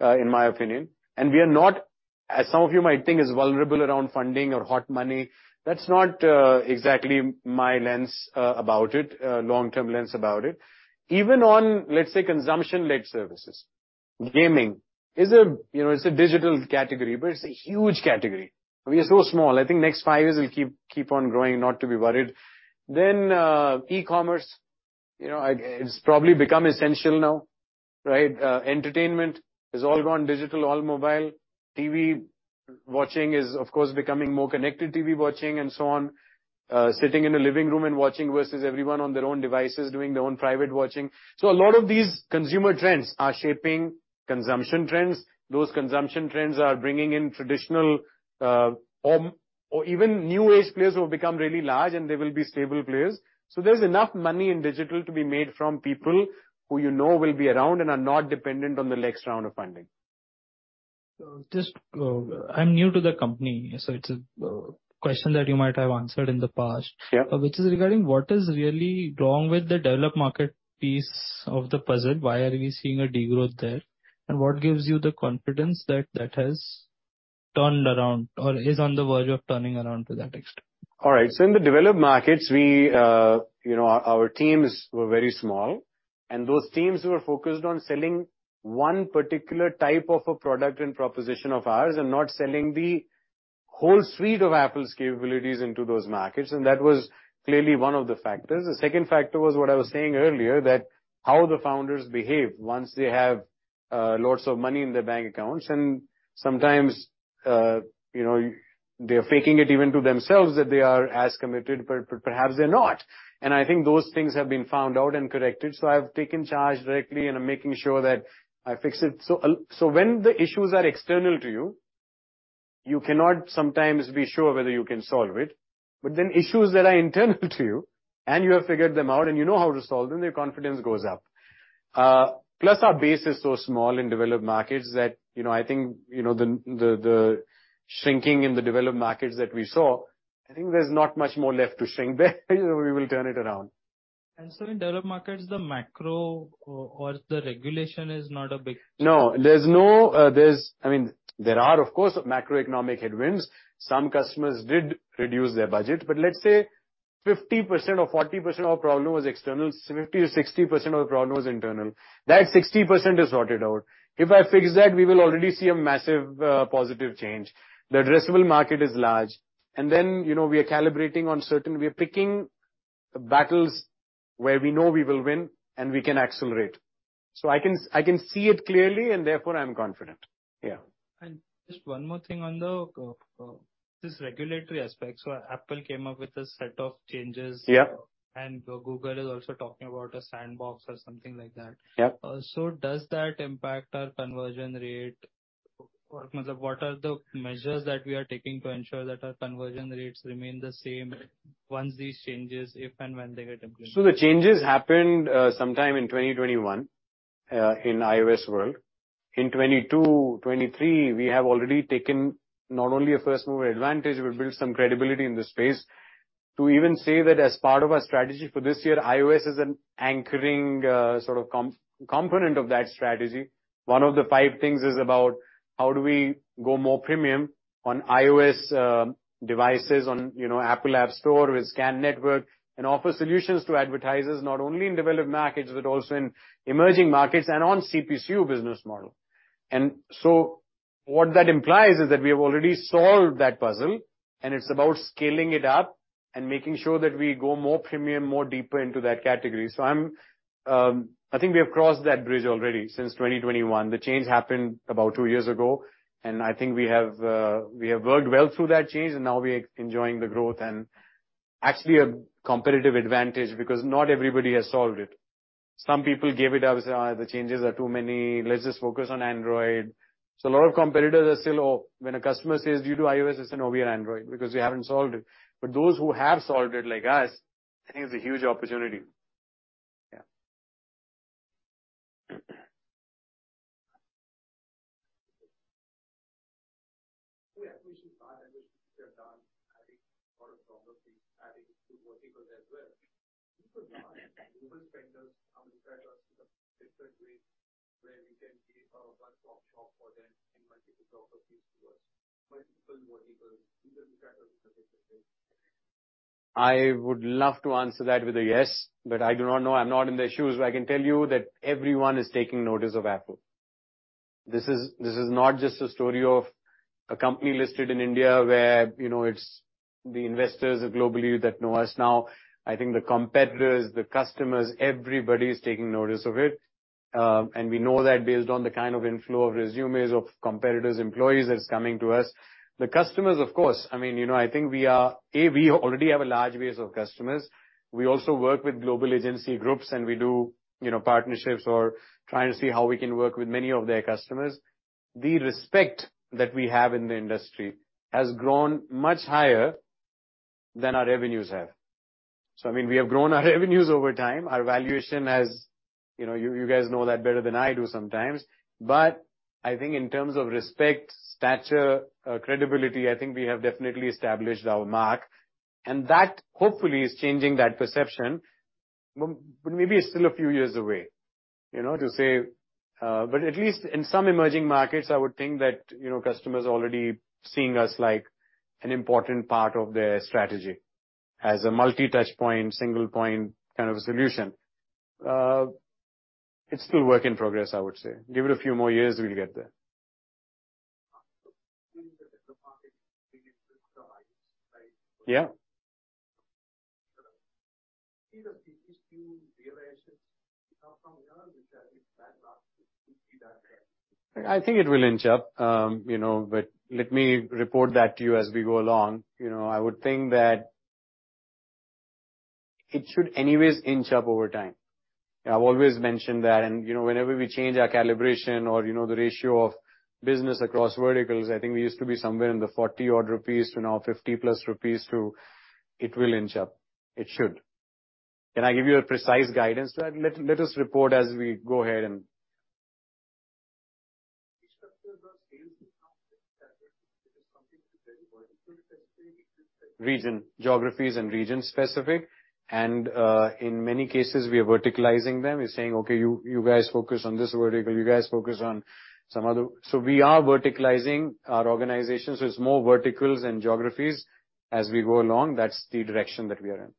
in my opinion. We are not, as some of you might think, as vulnerable around funding or hot money. That's not exactly my lens about it, long-term lens about it. Even on, let's say, consumption-led services. Gaming is a, you know, it's a digital category, but it's a huge category. We are so small. I think next five years, we'll keep on growing, not to be worried. E-commerce, you know, it's probably become essential now, right? Entertainment has all gone digital, all mobile. TV watching is, of course, becoming more connected TV watching, and so on. Sitting in a living room and watching versus everyone on their own devices doing their own private watching. A lot of these consumer trends are shaping consumption trends. Those consumption trends are bringing in traditional, or even new age players who have become really large, and they will be stable players. There's enough money in digital to be made from people who you know will be around and are not dependent on the next round of funding. Just, I'm new to the company, so it's a question that you might have answered in the past. Yeah. which is regarding what is really wrong with the developed market piece of the puzzle? Why are we seeing a degrowth there? What gives you the confidence that that has turned around or is on the verge of turning around to that extent? All right. In the developed markets, we, you know, our teams were very small, and those teams were focused on selling one particular type of a product and proposition of ours and not selling the whole suite of Affle's capabilities into those markets, and that was clearly one of the factors. The second factor was what I was saying earlier, that how the founders behave once they have lots of money in their bank accounts, and sometimes, you know, they're faking it even to themselves that they are as committed, but perhaps they're not. I think those things have been found out and corrected, so I've taken charge directly, and I'm making sure that I fix it. When the issues are external to you cannot sometimes be sure whether you can solve it. Issues that are internal to you and you have figured them out and you know how to solve them, your confidence goes up. Plus, our base is so small in developed markets that, you know, I think, you know, the shrinking in the developed markets that we saw, I think there's not much more left to shrink there, we will turn it around. In developed markets, the macro or the regulation is not a big thing? No, there's no. I mean, there are, of course, macroeconomic headwinds. Some customers did reduce their budget. Let's say 50% or 40% of our problem was external, 50%-60% of the problem was internal. That 60% is sorted out. If I fix that, we will already see a massive positive change. The addressable market is large. You know, we are calibrating. We are picking battles where we know we will win, and we can accelerate. I can see it clearly. I'm confident. Yeah. Just one more thing on the regulatory aspect. Apple came up with a set of changes. Yeah. Google is also talking about a sandbox or something like that. Does that impact our conversion rate? What are the measures that we are taking to ensure that our conversion rates remain the same once these changes, if and when they get implemented? The changes happened sometime in 2021 in iOS world. In 2022, 2023, we have already taken not only a first-mover advantage, we've built some credibility in the space. To even say that as part of our strategy for this year, iOS is an anchoring, sort of component of that strategy. One of the five things is about how do we go more premium on iOS devices, on, you know, Apple App Store with SKAN, and offer solutions to advertisers not only in developed markets but also in emerging markets and on CPCU business model. What that implies is that we have already solved that puzzle, and it's about scaling it up and making sure that we go more premium, more deeper into that category. I think we have crossed that bridge already since 2021. The change happened about two years ago, and I think we have we have worked well through that change, and now we are enjoying the growth and actually a competitive advantage because not everybody has solved it. Some people gave it up and said, "Oh, the changes are too many. Let's just focus on Android." A lot of competitors are still, "Oh, when a customer says due to iOS, it's an OB and Android," because we haven't solved it. Those who have solved it, like us, I think it's a huge opportunity. Yeah. Yeah, we should start and we should get done adding a lot of properties, adding to verticals as well. Yeah. Global spenders are interested in a different way, where we can be sort of a one-stop shop for them in multiple geographies to us, multiple verticals, because we try to look at different things. I would love to answer that with a yes, I do not know. I'm not in their shoes, I can tell you that everyone is taking notice of Affle. This is not just a story of a company listed in India where, you know, it's the investors globally that know us now. I think the competitors, the customers, everybody is taking notice of it, we know that based on the kind of inflow of resumes of competitors, employees, that's coming to us. The customers, of course, I mean, you know, I think we are, A, we already have a large base of customers. We also work with global agency groups, we do, you know, partnerships or trying to see how we can work with many of their customers. The respect that we have in the industry has grown much higher than our revenues have. I mean, we have grown our revenues over time. Our valuation has, you know, you guys know that better than I do sometimes. I think in terms of respect, stature, credibility, I think we have definitely established our mark, and that, hopefully, is changing that perception. Maybe it's still a few years away, you know, to say. At least in some emerging markets, I would think that, you know, customers are already seeing us like an important part of their strategy, as a multi-touch point, single point kind of a solution. It's still work in progress, I would say. Give it a few more years, we'll get there. Yeah. I think it will inch up, you know, let me report that to you as we go along. You know, I would think that it should anyways inch up over time. I've always mentioned that, you know, whenever we change our calibration or, you know, the ratio of business across verticals, I think we used to be somewhere in the 40-odd rupees to now 50+ rupees to, it will inch up. It should. Can I give you a precise guidance to that? Let us report as we go ahead. Region, geographies and region-specific, in many cases, we are verticalizing them. We're saying: Okay, you guys focus on this vertical, you guys focus on some other... We are verticalizing our organization, so it's more verticals and geographies as we go along. That's the direction that we are in.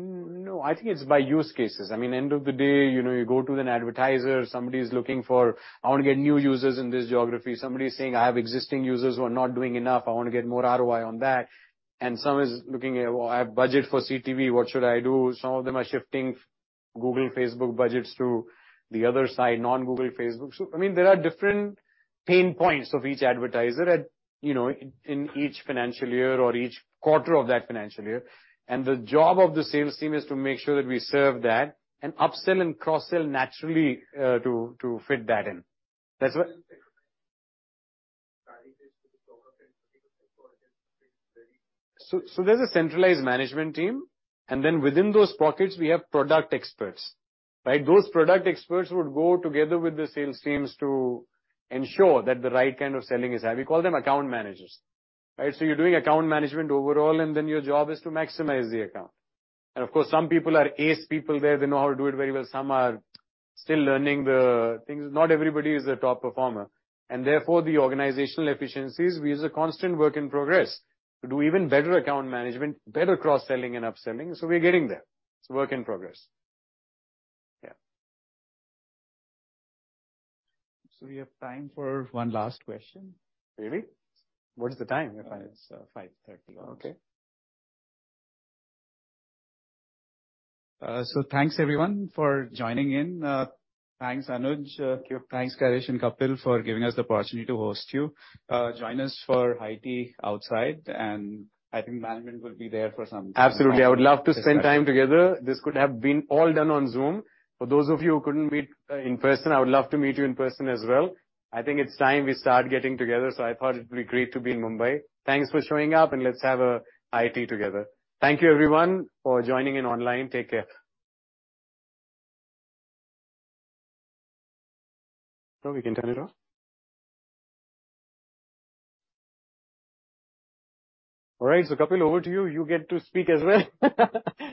No, I think it's by use cases. I mean, end of the day, you know, you go to an advertiser, somebody's looking for, "I want to get new users in this geography." Somebody is saying, "I have existing users who are not doing enough. I want to get more ROI on that." Some is looking at, "Well, I have budget for CTV, what should I do?" Some of them are shifting Google, Facebook budgets to the other side, non-Google, Facebook. I mean, there are different pain points of each advertiser at, you know, in each financial year or each quarter of that financial year. The job of the sales team is to make sure that we serve that, and upsell and cross-sell naturally, to fit that in. There's a centralized management team, and then within those pockets, we have product experts, right? Those product experts would go together with the sales teams to ensure that the right kind of selling is happening. We call them account managers, right? You're doing account management overall, and then your job is to maximize the account. Of course, some people are ace people there, they know how to do it very well. Some are still learning the things. Not everybody is a top performer, therefore, the organizational efficiencies, we use a constant work in progress to do even better account management, better cross-selling and upselling, we're getting there. It's work in progress. Yeah. We have time for one last question. Really? What is the time? It's, 5:30. Okay. Thanks everyone for joining in. Thanks, Anuj. Thank you. Thanks, Karish and Kapil, for giving us the opportunity to host you. Join us for high tea outside, and I think management will be there for. Absolutely. I would love to spend time together. This could have been all done on Zoom. For those of you who couldn't meet, in person, I would love to meet you in person as well. I think it's time we start getting together, so I thought it'd be great to be in Mumbai. Thanks for showing up, and let's have a high tea together. Thank you everyone for joining in online. Take care. We can turn it off? All right, Kapil, over to you. You get to speak as well.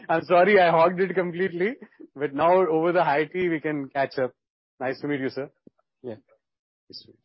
I'm sorry, I hogged it completely. Now over the high tea, we can catch up. Nice to meet you, sir. Yeah. Nice to meet you. Thank you.